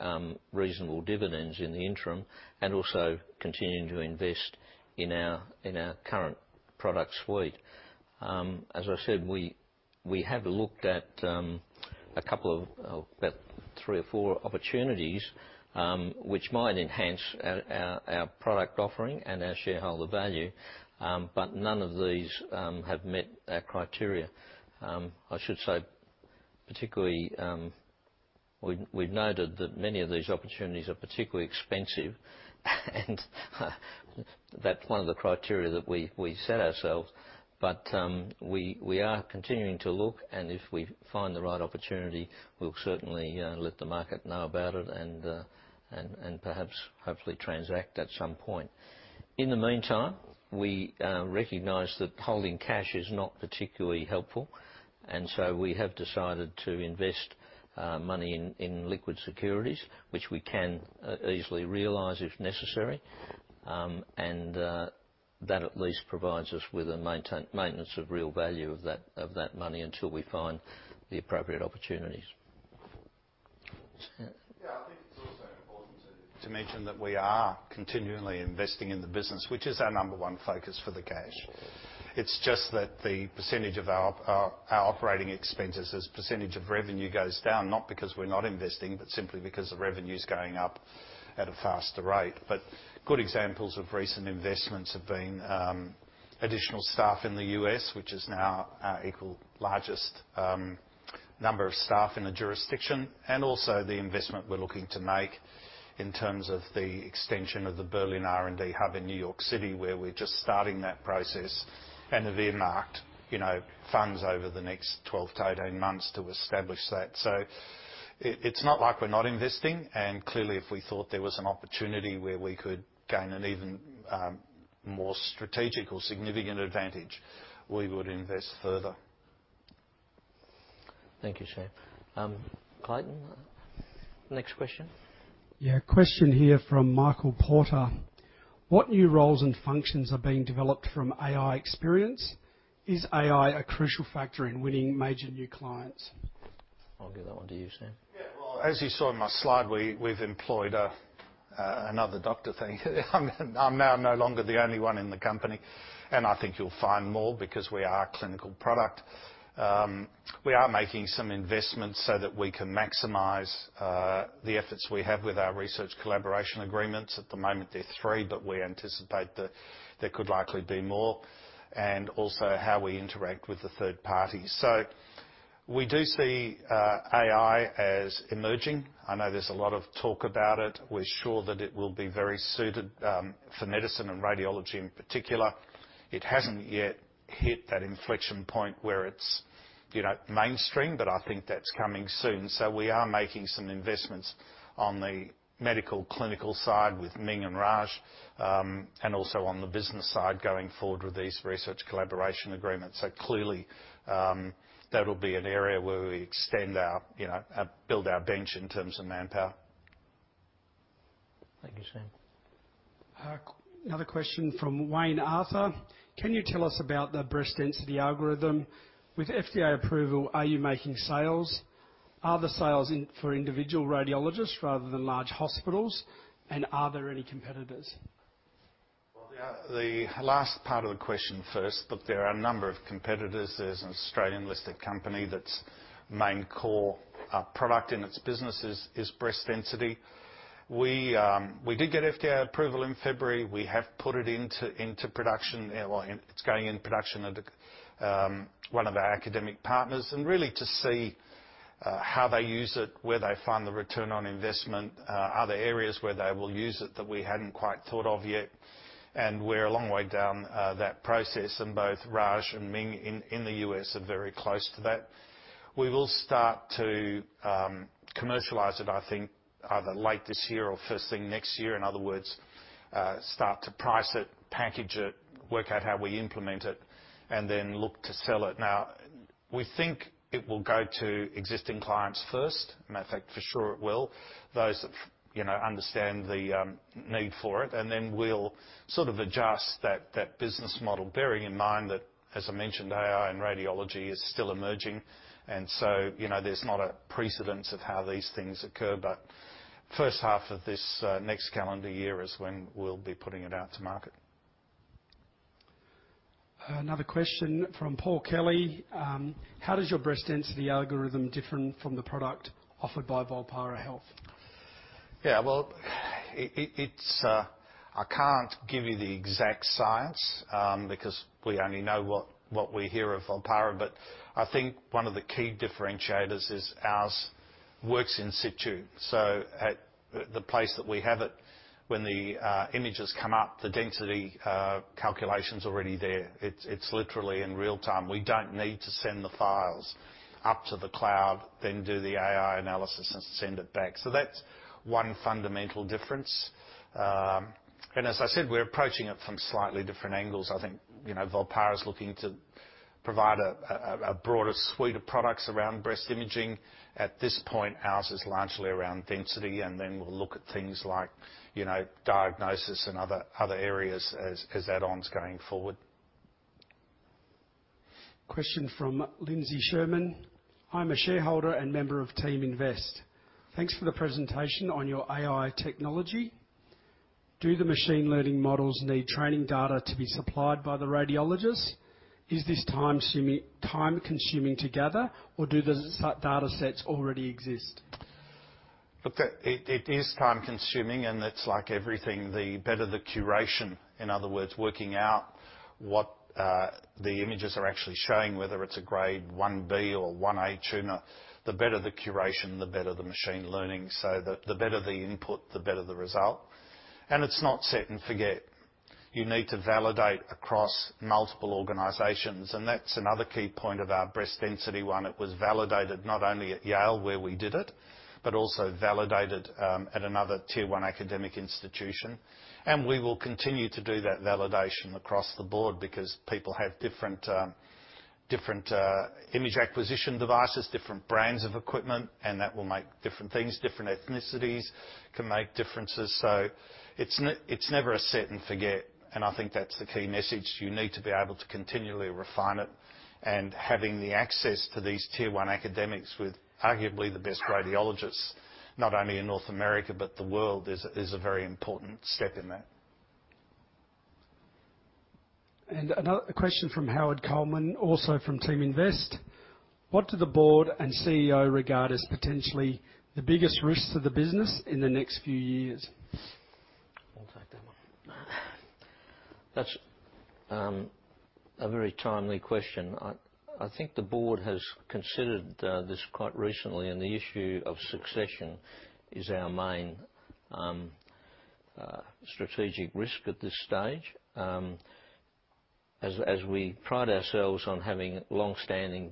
reasonable dividends in the interim and also continuing to invest in our current product suite. As I said, we have looked at a couple of about three or four opportunities which might enhance our product offering and our shareholder value, but none of these have met our criteria. I should say, particularly, we've noted that many of these opportunities are particularly expensive, and that's one of the criteria that we set ourselves. We are continuing to look, and if we find the right opportunity, we'll certainly let the market know about it and perhaps hopefully transact at some point. In the meantime, we recognize that holding cash is not particularly helpful, and so we have decided to invest money in liquid securities, which we can easily realize if necessary. That at least provides us with a maintenance of real value of that money until we find the appropriate opportunities. Sam? Yeah, I think it's also important to mention that we are continually investing in the business, which is our number one focus for the cash. It's just that the percentage of our operating expenses as percentage of revenue goes down, not because we're not investing, but simply because the revenue's going up at a faster rate. Good examples of recent investments have been additional staff in the U.S., which is now our equal largest number of staff in a jurisdiction, and also the investment we're looking to make in terms of the extension of the Berlin R&D hub in New York City, where we're just starting that process and have earmarked, you know, funds over the next 12-18 months to establish that. It's not like we're not investing, and clearly, if we thought there was an opportunity where we could gain an even more strategic or significant advantage, we would invest further. Thank you, Sam. Clayton, next question. Yeah. A question here from Michael Porter. What new roles and functions are being developed from AI experience? Is AI a crucial factor in winning major new clients? I'll give that one to you, Sam. Yeah. Well, as you saw in my slide, we've employed another doctor. Thank you. I'm now no longer the only one in the company, and I think you'll find more because we are a clinical product. We are making some investments so that we can maximize the efforts we have with our research collaboration agreements. At the moment, they're three, but we anticipate that there could likely be more, and also how we interact with the third parties. We do see AI as emerging. I know there's a lot of talk about it. We're sure that it will be very suited for medicine and radiology in particular. It hasn't yet hit that inflection point where it's, you know, mainstream, but I think that's coming soon. We are making some investments on the medical clinical side with Ming and Raj, and also on the business side going forward with these research collaboration agreements. Clearly, that'll be an area where we extend our you know build our bench in terms of manpower. Thank you, Sam. Another question from Wayne Arthur. Can you tell us about the breast density algorithm? With FDA approval, are you making sales? Are the sales for individual radiologists rather than large hospitals? Are there any competitors? Well, the last part of the question first, look, there are a number of competitors. There's an Australian-listed company that's main core product in its business is breast density. We did get FDA approval in February. We have put it into production. Well, it's going in production at one of our academic partners, and really to see how they use it, where they find the return on investment, other areas where they will use it that we hadn't quite thought of yet. We're a long way down that process, and both Raj and Ming in the US are very close to that. We will start to commercialize it, I think, either late this year or first thing next year. In other words, start to price it, package it, work out how we implement it, and then look to sell it. Now, we think it will go to existing clients first. Matter of fact, for sure it will. Those that, you know, understand the need for it. Then we'll sort of adjust that business model, bearing in mind that, as I mentioned, AI and radiology is still emerging. You know, there's not a precedent of how these things occur. First half of this next calendar year is when we'll be putting it out to market. Another question from Paul Kelly. How does your breast density algorithm different from the product offered by Volpara Health? Yeah. Well, I can't give you the exact science, because we only know what we hear of Volpara. I think one of the key differentiators is ours works in situ. At the place that we have it, when the images come up, the density calculation's already there. It's literally in real time. We don't need to send the files up to the cloud, then do the AI analysis and send it back. That's one fundamental difference. As I said, we're approaching it from slightly different angles. I think, you know, Volpara's looking to provide a broader suite of products around breast imaging. At this point, ours is largely around density, and then we'll look at things like, you know, diagnosis and other areas as add-ons going forward. Question from Lindsay Sherman. I'm a shareholder and member of Team Invest. Thanks for the presentation on your AI technology. Do the machine learning models need training data to be supplied by the radiologists? Is this time-consuming to gather, or do those data sets already exist? Look, it is time-consuming, and it's like everything, the better the curation, in other words, working out what the images are actually showing, whether it's a grade one B or one A tumor. The better the curation, the better the machine learning. The better the input, the better the result. It's not set and forget. You need to validate across multiple organizations, and that's another key point of our breast density one. It was validated not only at Yale, where we did it, but also validated at another tier one academic institution. We will continue to do that validation across the board because people have different image acquisition devices, different brands of equipment, and that will make different things. Different ethnicities can make differences. It's never a set and forget, and I think that's the key message. You need to be able to continually refine it, and having the access to these tier one academics with arguably the best radiologists, not only in North America, but the world, is a very important step in that. Another. A question from Howard Coleman, also from Teaminvest. What do the board and CEO regard as potentially the biggest risks to the business in the next few years? I'll take that one. That's a very timely question. I think the board has considered this quite recently, and the issue of succession is our main strategic risk at this stage. As we pride ourselves on having longstanding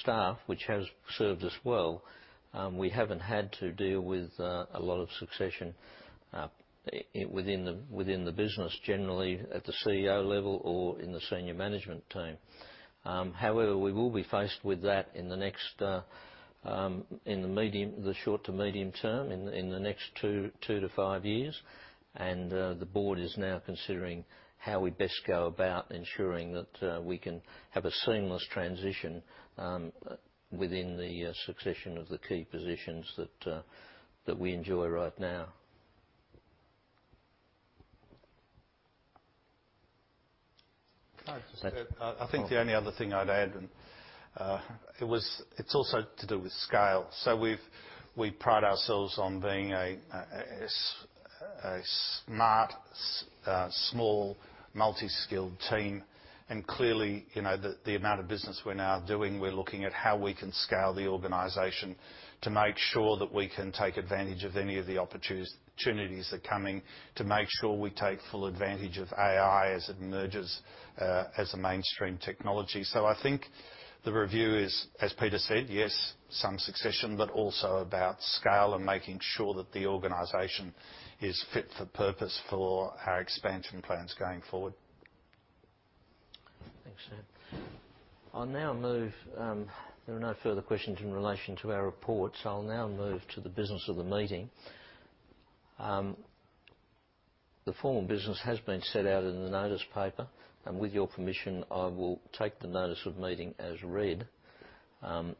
staff, which has served us well, we haven't had to deal with a lot of succession within the business generally at the CEO level or in the senior management team. However, we will be faced with that in the short to medium term, in the next two to five years. The board is now considering how we best go about ensuring that we can have a seamless transition within the succession of the key positions that we enjoy right now. Can I just add- Oh. I think the only other thing I'd add. It's also to do with scale. We pride ourselves on being a smart, small, multi-skilled team, and clearly, you know, the amount of business we're now doing. We're looking at how we can scale the organization to make sure that we can take advantage of any of the opportunities that are coming, to make sure we take full advantage of AI as it emerges as a mainstream technology. I think the review is, as Peter said, yes, some succession, but also about scale and making sure that the organization is fit for purpose for our expansion plans going forward. Thanks, Sam. I'll now move. There are no further questions in relation to our report, so I'll now move to the business of the meeting. The formal business has been set out in the notice paper, and with your permission, I will take the notice of meeting as read. The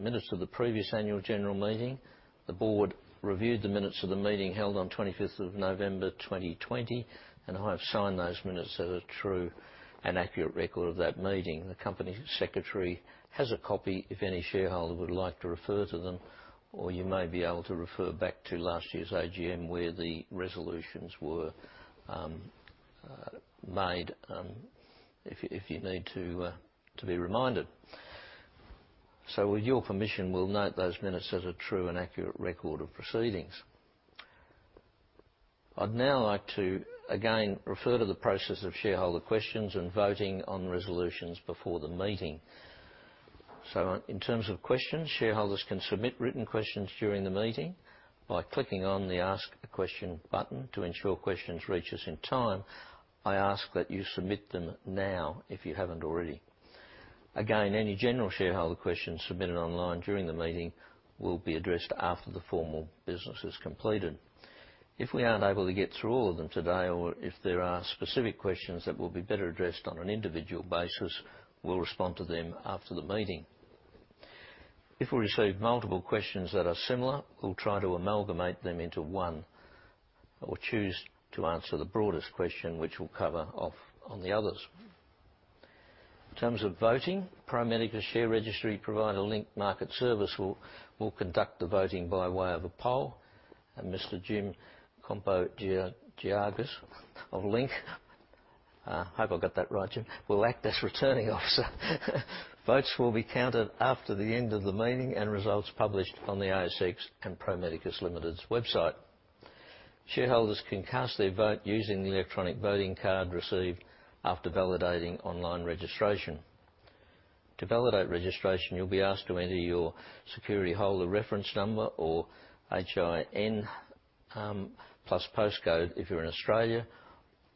minutes of the previous annual general meeting, the board reviewed the minutes of the meeting held on 25th of November, 2020, and I've signed those minutes that are true, an accurate record of that meeting. The company secretary has a copy if any shareholder would like to refer to them, or you may be able to refer back to last year's AGM, where the resolutions were made, if you need to be reminded. With your permission, we'll note those minutes as a true and accurate record of proceedings. I'd now like to again refer to the process of shareholder questions and voting on resolutions before the meeting. In terms of questions, shareholders can submit written questions during the meeting by clicking on the Ask a Question button. To ensure questions reach us in time, I ask that you submit them now if you haven't already. Again, any general shareholder questions submitted online during the meeting will be addressed after the formal business is completed. If we aren't able to get through all of them today, or if there are specific questions that will be better addressed on an individual basis, we'll respond to them after the meeting. If we receive multiple questions that are similar, we'll try to amalgamate them into one or choose to answer the broadest question, which we'll cover off on the others. In terms of voting, Pro Medicus share registry provider Link Market Services will conduct the voting by way of a poll, and Mr. Jim Compo-Georgas of Link, hope I've got that right, Jim, will act as returning officer. Votes will be counted after the end of the meeting and results published on the ASX and Pro Medicus Limited's website. Shareholders can cast their vote using the electronic voting card received after validating online registration. To validate registration, you'll be asked to enter your security holder reference number or HIN, plus postcode if you're in Australia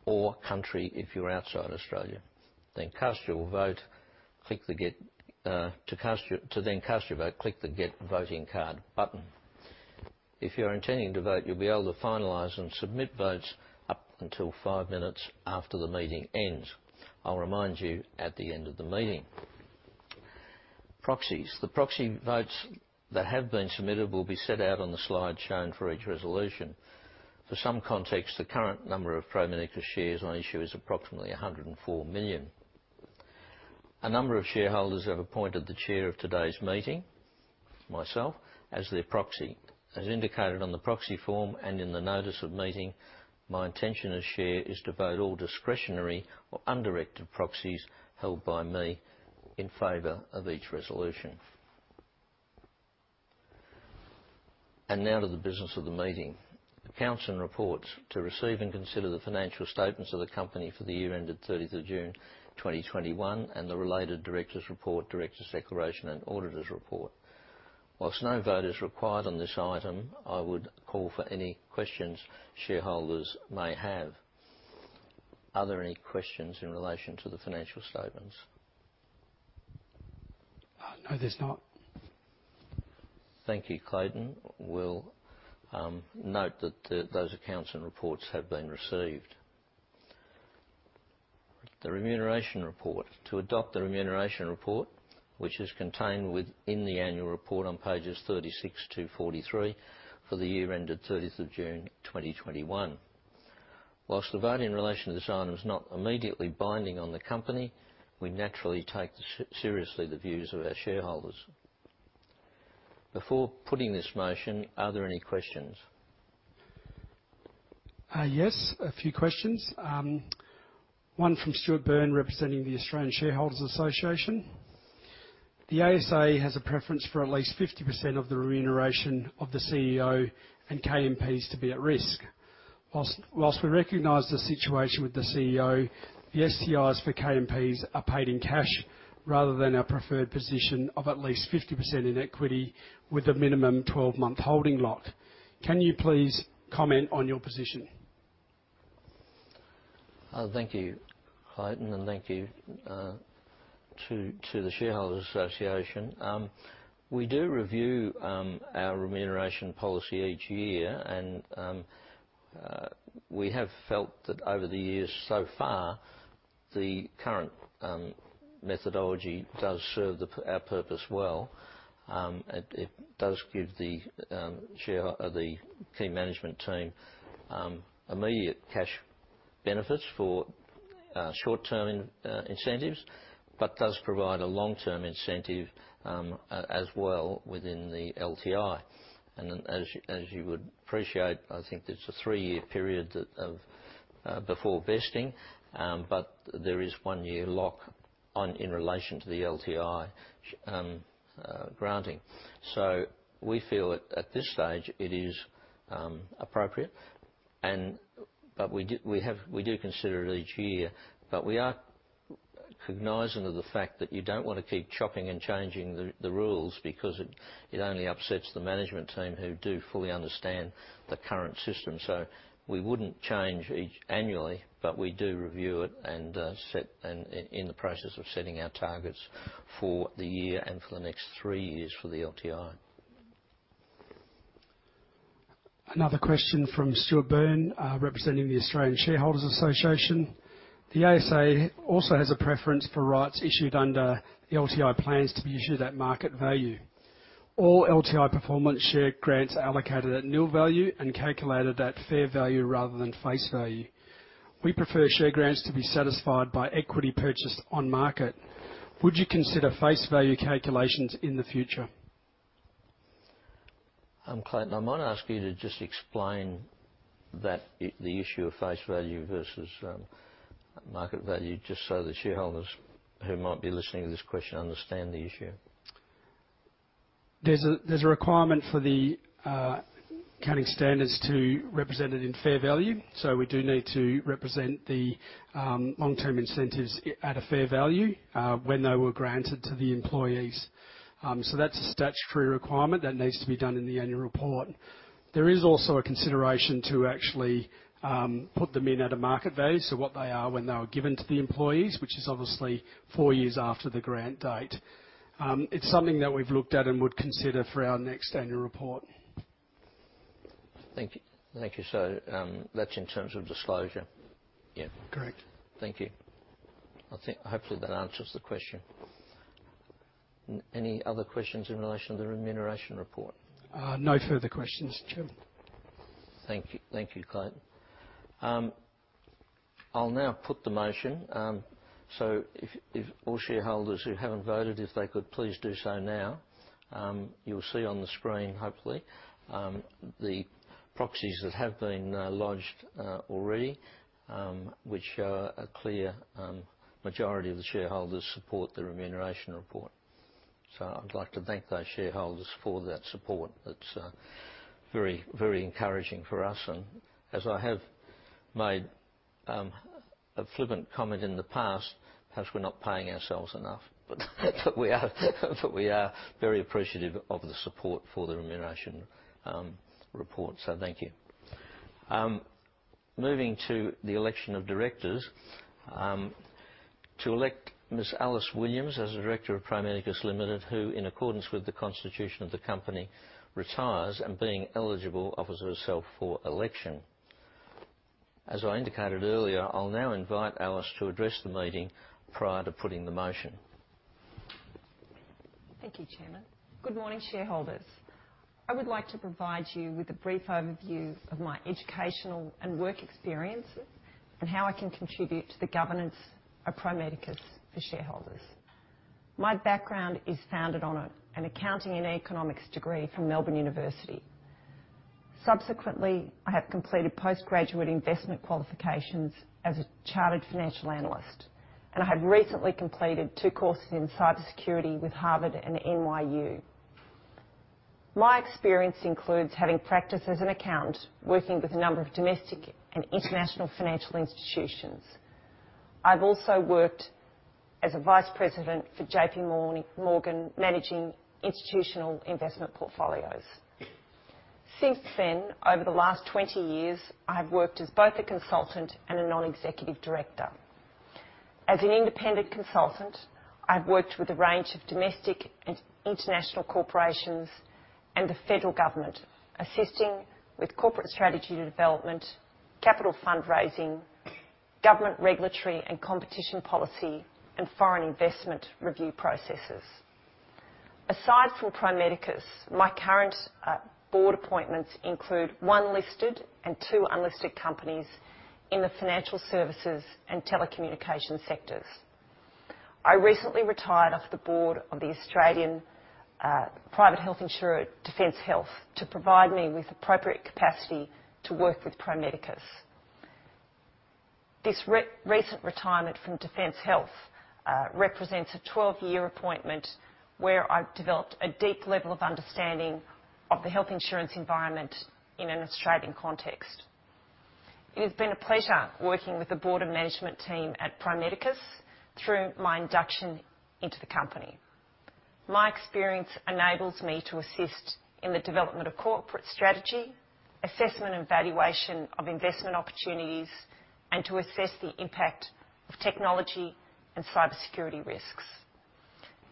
or country if you're outside Australia, then cast your vote. Click the Get Voting Card button. If you're intending to vote, you'll be able to finalize and submit votes up until five minutes after the meeting ends. I'll remind you at the end of the meeting. Proxies. The proxy votes that have been submitted will be set out on the slide shown for each resolution. For some context, the current number of Pro Medicus shares on issue is approximately 104 million. A number of shareholders have appointed the chair of today's meeting, myself, as their proxy. As indicated on the proxy form and in the notice of meeting, my intention as chair is to vote all discretionary or undirected proxies held by me in favor of each resolution. Now to the business of the meeting. Accounts and reports. To receive and consider the financial statements of the company for the year ended 30th of June, 2021, and the related directors' report, directors' declaration and auditors' report. While no vote is required on this item, I would call for any questions shareholders may have. Are there any questions in relation to the financial statements? No, there's not. Thank you, Clayton. We'll note that those accounts and reports have been received. The remuneration report: To adopt the remuneration report, which is contained within the annual report on pages 36-43 for the year ended 30th of June, 2021. While the vote in relation to this item is not immediately binding on the company, we naturally take seriously the views of our shareholders. Before putting this motion, are there any questions? Yes, a few questions. One from Stuart Byrne, representing the Australian Shareholders' Association. The ASA has a preference for at least 50% of the remuneration of the CEO and KMPs to be at risk. While we recognize the situation with the CEO, the STIs for KMPs are paid in cash rather than our preferred position of at least 50% in equity with a minimum twelve-month holding lock. Can you please comment on your position? Thank you, Clayton, and thank you to the Shareholders Association. We do review our remuneration policy each year, and we have felt that over the years so far, the current methodology does serve our purpose well. It does give the key management team immediate cash benefits for short-term incentives, but does provide a long-term incentive as well within the LTI. As you would appreciate, I think there's a three-year period that before vesting, but there is one year lock on in relation to the LTI granting. We feel at this stage it is appropriate and... We do consider it each year, but we are cognizant of the fact that you don't wanna keep chopping and changing the rules because it only upsets the management team who do fully understand the current system. We wouldn't change it annually, but we do review it and are in the process of setting our targets for the year and for the next three years for the LTI. Another question from Stuart Byrne, representing the Australian Shareholders' Association. The ASA also has a preference for rights issued under the LTI plans to be issued at market value. All LTI performance share grants are allocated at nil value and calculated at fair value rather than face value. We prefer share grants to be satisfied by equity purchased on market. Would you consider face value calculations in the future? Clayton, I might ask you to just explain that, the issue of face value versus, market value, just so the shareholders who might be listening to this question understand the issue. There's a requirement for the accounting standards to represent it in fair value. We need to represent the long-term incentives at a fair value when they were granted to the employees. That's a statutory requirement that needs to be done in the annual report. There is also a consideration to actually put them in at a market value, so what they are when they were given to the employees, which is obviously four years after the grant date. It's something that we've looked at and would consider for our next annual report. Thank you. That's in terms of disclosure. Yeah. Correct. Thank you. I think hopefully that answers the question. Any other questions in relation to the remuneration report? No further questions, Chair. Thank you. Thank you, Clayton. I'll now put the motion. If all shareholders who haven't voted, they could please do so now. You'll see on the screen, hopefully, the proxies that have been lodged already, which show a clear majority of the shareholders support the remuneration report. I'd like to thank those shareholders for that support. That's very encouraging for us. As I have made a flippant comment in the past, perhaps we're not paying ourselves enough. But we are very appreciative of the support for the remuneration report. Thank you. Moving to the election of directors. To elect Ms. Alice Williams as a director of Pro Medicus Limited, who, in accordance with the constitution of the company, retires and being eligible, offers herself for election. As I indicated earlier, I'll now invite Alice to address the meeting prior to putting the motion. Thank you, Chairman. Good morning, shareholders. I would like to provide you with a brief overview of my educational and work experiences and how I can contribute to the governance of Pro Medicus for shareholders. My background is founded on an accounting and economics degree from University of Melbourne. Subsequently, I have completed postgraduate investment qualifications as a Chartered Financial Analyst, and I have recently completed two courses in cybersecurity with Harvard and NYU. My experience includes having practice as an accountant, working with a number of domestic and international financial institutions. I've also worked as a Vice President for JPMorgan, managing institutional investment portfolios. Since then, over the last 20 years, I have worked as both a consultant and a non-executive director. As an independent consultant, I've worked with a range of domestic and international corporations and the federal government, assisting with corporate strategy development, capital fundraising, government regulatory and competition policy, and foreign investment review processes. Aside from Pro Medicus, my current board appointments include one listed and two unlisted companies in the financial services and telecommunication sectors. I recently retired off the board of the Australian private health insurer, Defence Health, to provide me with appropriate capacity to work with Pro Medicus. This recent retirement from Defence Health represents a 12-year appointment where I've developed a deep level of understanding of the health insurance environment in an Australian context. It has been a pleasure working with the board and management team at Pro Medicus through my induction into the company. My experience enables me to assist in the development of corporate strategy, assessment and valuation of investment opportunities, and to assess the impact of technology and cybersecurity risks.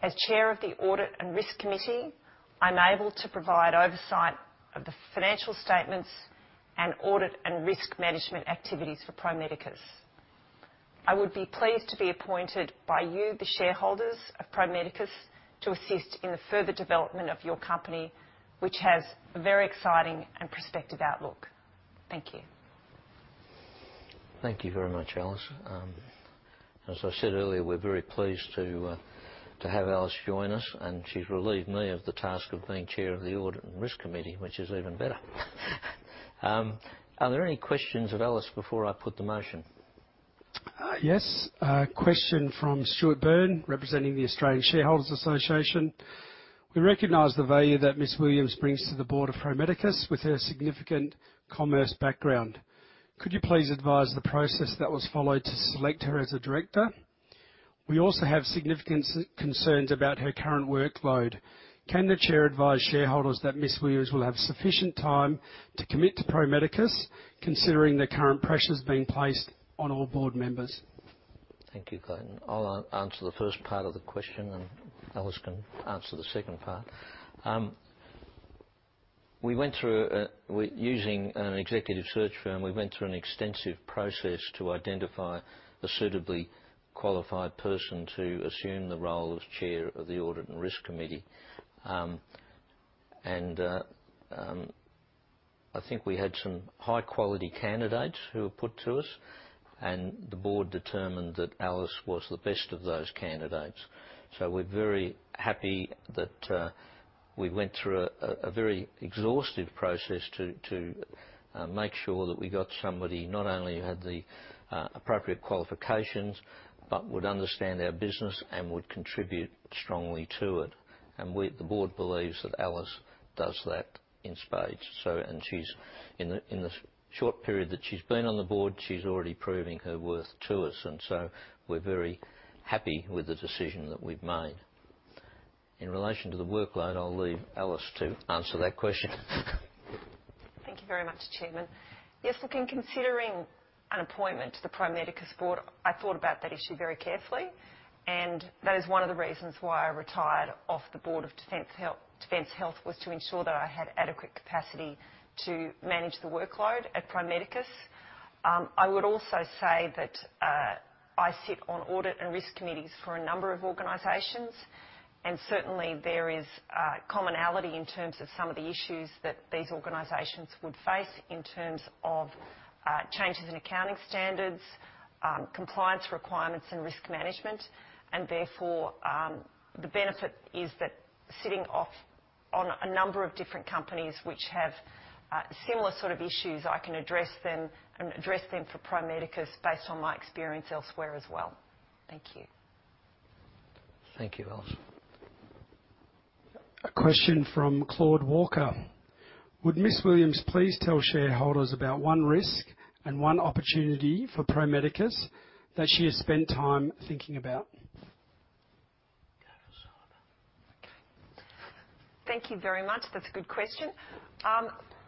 As chair of the Audit and Risk Committee, I'm able to provide oversight of the financial statements and audit and risk management activities for Pro Medicus. I would be pleased to be appointed by you, the shareholders of Pro Medicus, to assist in the further development of your company, which has a very exciting and prospective outlook. Thank you. Thank you very much, Alice. As I said earlier, we're very pleased to have Alice join us, and she's relieved me of the task of being chair of the Audit and Risk Committee, which is even better. Are there any questions of Alice before I put the motion? Yes. A question from Stuart Byrne, representing the Australian Shareholders' Association. We recognize the value that Ms. Williams brings to the board of Pro Medicus with her significant commerce background. Could you please advise the process that was followed to select her as a director? We also have significant concerns about her current workload. Can the chair advise shareholders that Ms. Williams will have sufficient time to commit to Pro Medicus, considering the current pressures being placed on all board members? Thank you, Clayton. I'll answer the first part of the question, and Alice can answer the second part. Using an executive search firm, we went through an extensive process to identify a suitably qualified person to assume the role of chair of the Audit and Risk Committee. I think we had some high-quality candidates who were put to us, and the board determined that Alice was the best of those candidates. We're very happy that we went through a very exhaustive process to make sure that we got somebody not only who had the appropriate qualifications, but would understand our business and would contribute strongly to it, and the board believes that Alice does that in spades. She's... In the short period that she's been on the board, she's already proving her worth to us. We're very happy with the decision that we've made. In relation to the workload, I'll leave Alice to answer that question. Thank you very much, Chairman. Yes, look, in considering an appointment to the Pro Medicus board, I thought about that issue very carefully, and that is one of the reasons why I retired off the board of Defence Health was to ensure that I had adequate capacity to manage the workload at Pro Medicus. I would also say that I sit on audit and risk committees for a number of organizations, and certainly, there is commonality in terms of some of the issues that these organizations would face in terms of changes in accounting standards, compliance requirements and risk management. Therefore, the benefit is that sitting on a number of different companies which have similar sort of issues, I can address them for Pro Medicus based on my experience elsewhere as well. Thank you. Thank you, Alice. A question from Claude Walker. Would Ms. Williams please tell shareholders about one risk and one opportunity for Pro Medicus that she has spent time thinking about? Go on, Alice. Okay. Thank you very much. That's a good question.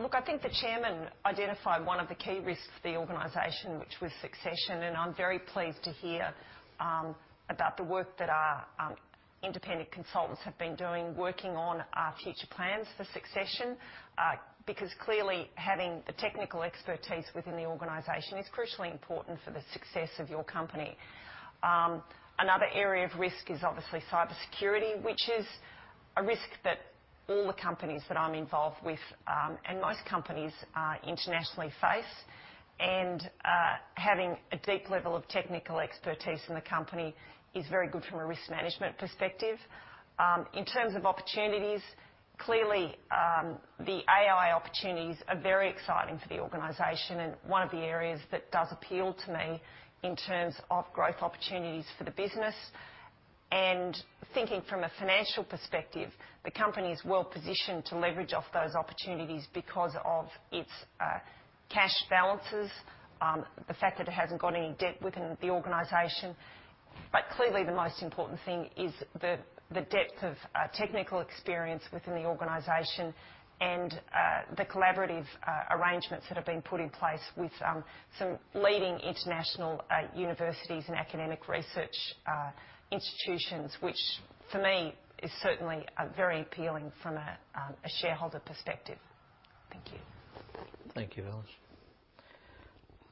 Look, I think the Chairman identified one of the key risks for the organization, which was succession, and I'm very pleased to hear about the work that our independent consultants have been doing, working on our future plans for succession. Because clearly, having the technical expertise within the organization is crucially important for the success of your company. Another area of risk is obviously cybersecurity, which is a risk that all the companies that I'm involved with and most companies internationally face. Having a deep level of technical expertise in the company is very good from a risk management perspective. In terms of opportunities, clearly, the AI opportunities are very exciting for the organization and one of the areas that does appeal to me in terms of growth opportunities for the business. Thinking from a financial perspective, the company is well-positioned to leverage off those opportunities because of its cash balances, the fact that it hasn't got any debt within the organization. Clearly the most important thing is the depth of technical experience within the organization and the collaborative arrangements that have been put in place with some leading international universities and academic research institutions, which for me is certainly very appealing from a shareholder perspective. Thank you. Thank you,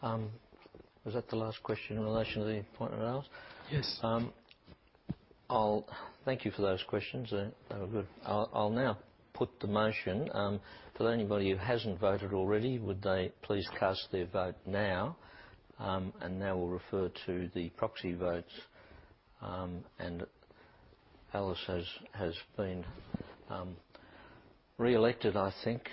Alice. Was that the last question in relation to the appointment of Alice? Yes. I'll thank you for those questions. They were good. I'll now put the motion. For anybody who hasn't voted already, would they please cast their vote now? Now we'll refer to the proxy votes. Alice has been reelected, I think,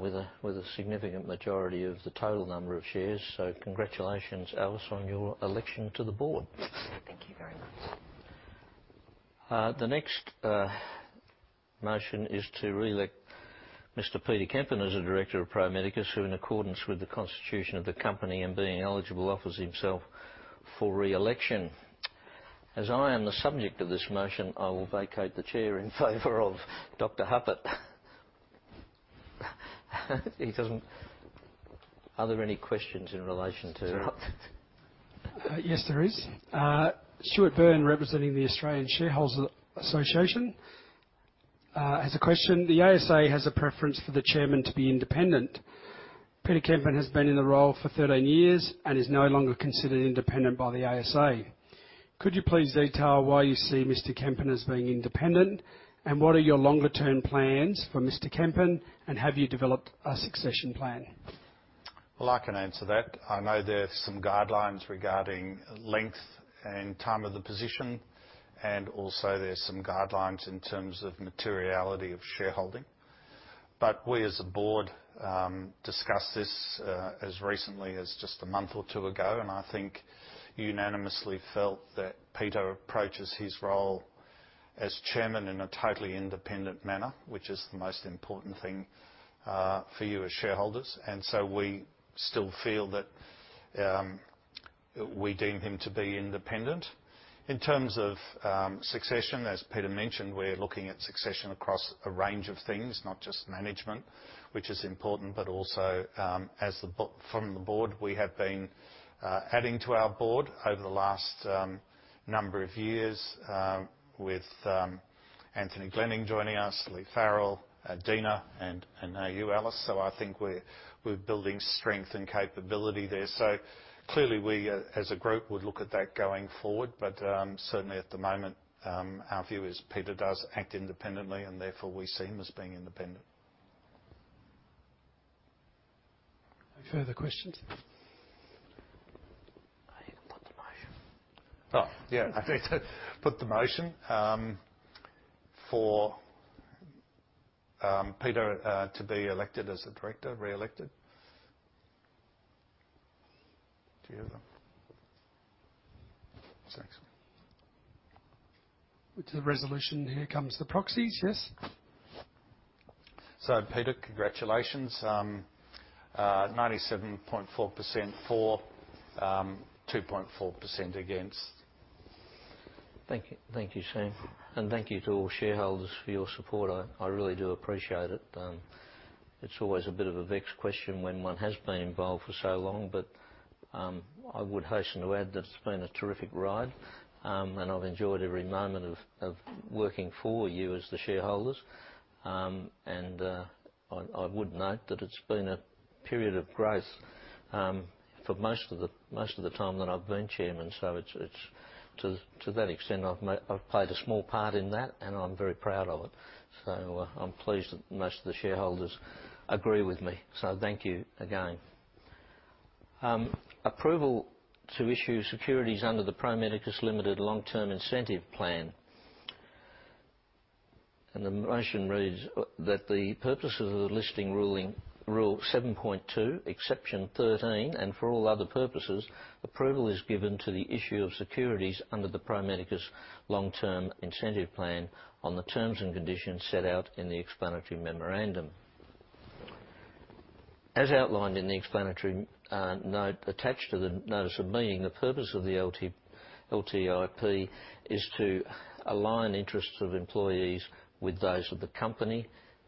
with a significant majority of the total number of shares. Congratulations, Alice, on your election to the board. Thank you very much. The next motion is to reelect Mr. Peter Kempen as a director of Pro Medicus, who in accordance with the constitution of the company and being eligible, offers himself for reelection. As I am the subject of this motion, I will vacate the chair in favor of Dr. Hupert. Are there any questions in relation to that? Yes, there is. Stuart Byrne, representing the Australian Shareholders' Association, has a question. The ASA has a preference for the chairman to be independent. Peter Kempen has been in the role for 13 years and is no longer considered independent by the ASA. Could you please detail why you see Mr. Kempen as being independent, and what are your longer-term plans for Mr. Kempen, and have you developed a succession plan? Well, I can answer that. I know there are some guidelines regarding length and time of the position, and also there's some guidelines in terms of materiality of shareholding. We as a board discussed this as recently as just a month or two ago, and I think unanimously felt that Peter approaches his role as chairman in a totally independent manner, which is the most important thing for you as shareholders. We still feel that we deem him to be independent. In terms of succession, as Peter mentioned, we're looking at succession across a range of things, not just management, which is important, but also as the board, we have been adding to our board over the last number of years with Anthony Glenning joining us, Leigh Farrell, Adina, and now you, Alice. I think we're building strength and capability there. Clearly we as a group would look at that going forward. Certainly at the moment, our view is Peter does act independently and therefore we see him as being independent. No further questions. You can put the motion. Oh, yeah, I need to put the motion for Peter to be elected as a director, reelected. Do you have the? Thanks. With the resolution, here comes the proxies, yes? Peter, congratulations. 97.4% for, 2.4% against. Thank you. Thank you, Sam. Thank you to all shareholders for your support. I really do appreciate it. It's always a bit of a vexed question when one has been involved for so long, but I would hasten to add that it's been a terrific ride. I've enjoyed every moment of working for you as the shareholders. I would note that it's been a period of growth for most of the time that I've been chairman. To that extent, I've played a small part in that, and I'm very proud of it. I'm pleased that most of the shareholders agree with me. Thank you again. Approval to issue securities under the Pro Medicus Limited Long Term Incentive Plan. The motion reads that, "The purpose of the listing ruling, rule 7.2, exception 13, and for all other purposes, approval is given to the issue of securities under the Pro Medicus Long Term Incentive Plan on the terms and conditions set out in the explanatory memorandum. As outlined in the explanatory note attached to the notice of meeting, the purpose of the LTIP is to align interests of employees with those of the company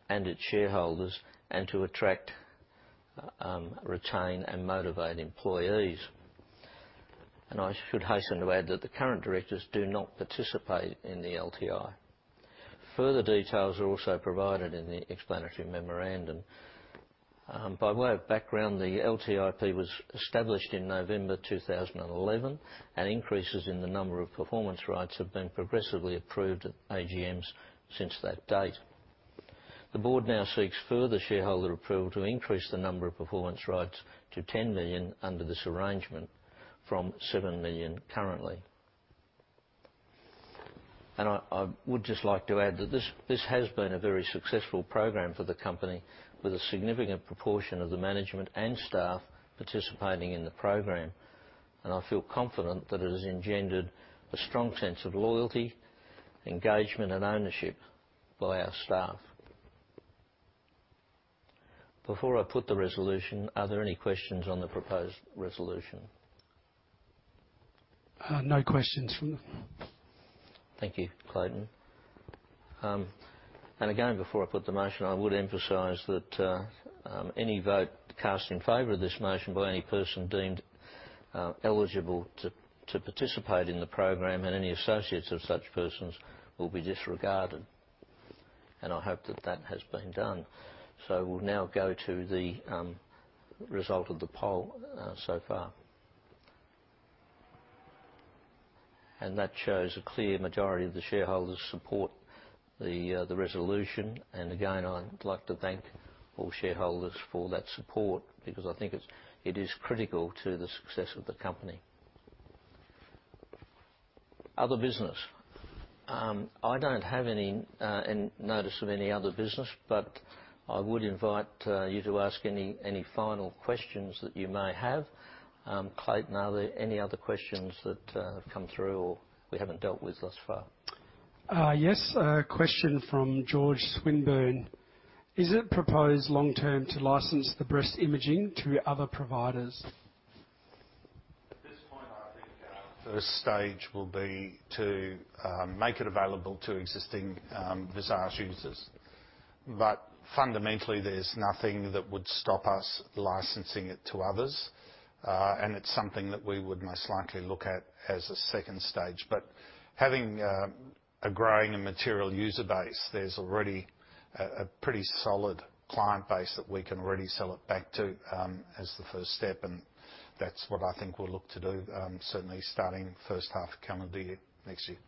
and its shareholders, and to attract, retain, and motivate employees." I should hasten to add that the current directors do not participate in the LTI. Further details are also provided in the explanatory memorandum. By way of background, the LTIP was established in November 2011, and increases in the number of performance rights have been progressively approved at AGMs since that date. The board now seeks further shareholder approval to increase the number of performance rights to 10 million under this arrangement from 7 million currently. I would just like to add that this has been a very successful program for the company with a significant proportion of the management and staff participating in the program. I feel confident that it has engendered a strong sense of loyalty, engagement, and ownership by our staff. Before I put the resolution, are there any questions on the proposed resolution? No questions from them. Thank you, Clayton. Again, before I put the motion, I would emphasize that any vote cast in favor of this motion by any person deemed eligible to participate in the program and any associates of such persons will be disregarded, and I hope that that has been done. We'll now go to the result of the poll so far. That shows a clear majority of the shareholders support the resolution. Again, I'd like to thank all shareholders for that support because I think it's, it is critical to the success of the company. Other business. I don't have any notice of any other business, but I would invite you to ask any final questions that you may have. Clayton, are there any other questions that have come through or we haven't dealt with thus far? Yes. A question from George Swinburne. Is it proposed long-term to license the breast imaging to other providers? At this point, I think our first stage will be to make it available to existing Visage users. Fundamentally, there's nothing that would stop us licensing it to others, and it's something that we would most likely look at as a second stage. Having a growing and material user base, there's already a pretty solid client base that we can already sell it back to, as the first step, and that's what I think we'll look to do, certainly starting first half calendar year next year.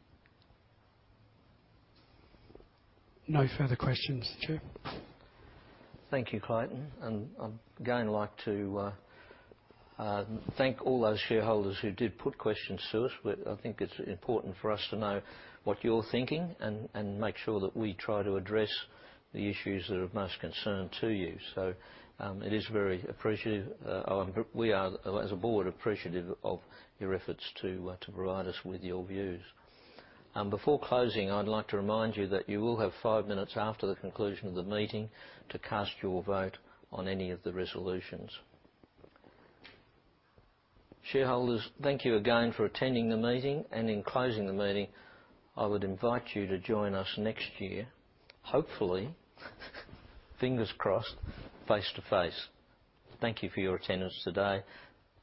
No further questions, Chair. Thank you, Clayton, and I'd again like to thank all those shareholders who did put questions to us. I think it's important for us to know what you're thinking and make sure that we try to address the issues that are of most concern to you. It is very appreciative. We are, as a board, appreciative of your efforts to provide us with your views. Before closing, I'd like to remind you that you will have five minutes after the conclusion of the meeting to cast your vote on any of the resolutions. Shareholders, thank you again for attending the meeting. In closing the meeting, I would invite you to join us next year. Hopefully, fingers crossed, face-to-face. Thank you for your attendance today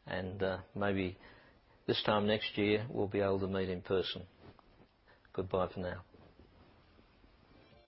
and maybe this time next year we'll be able to meet in person. Goodbye for now.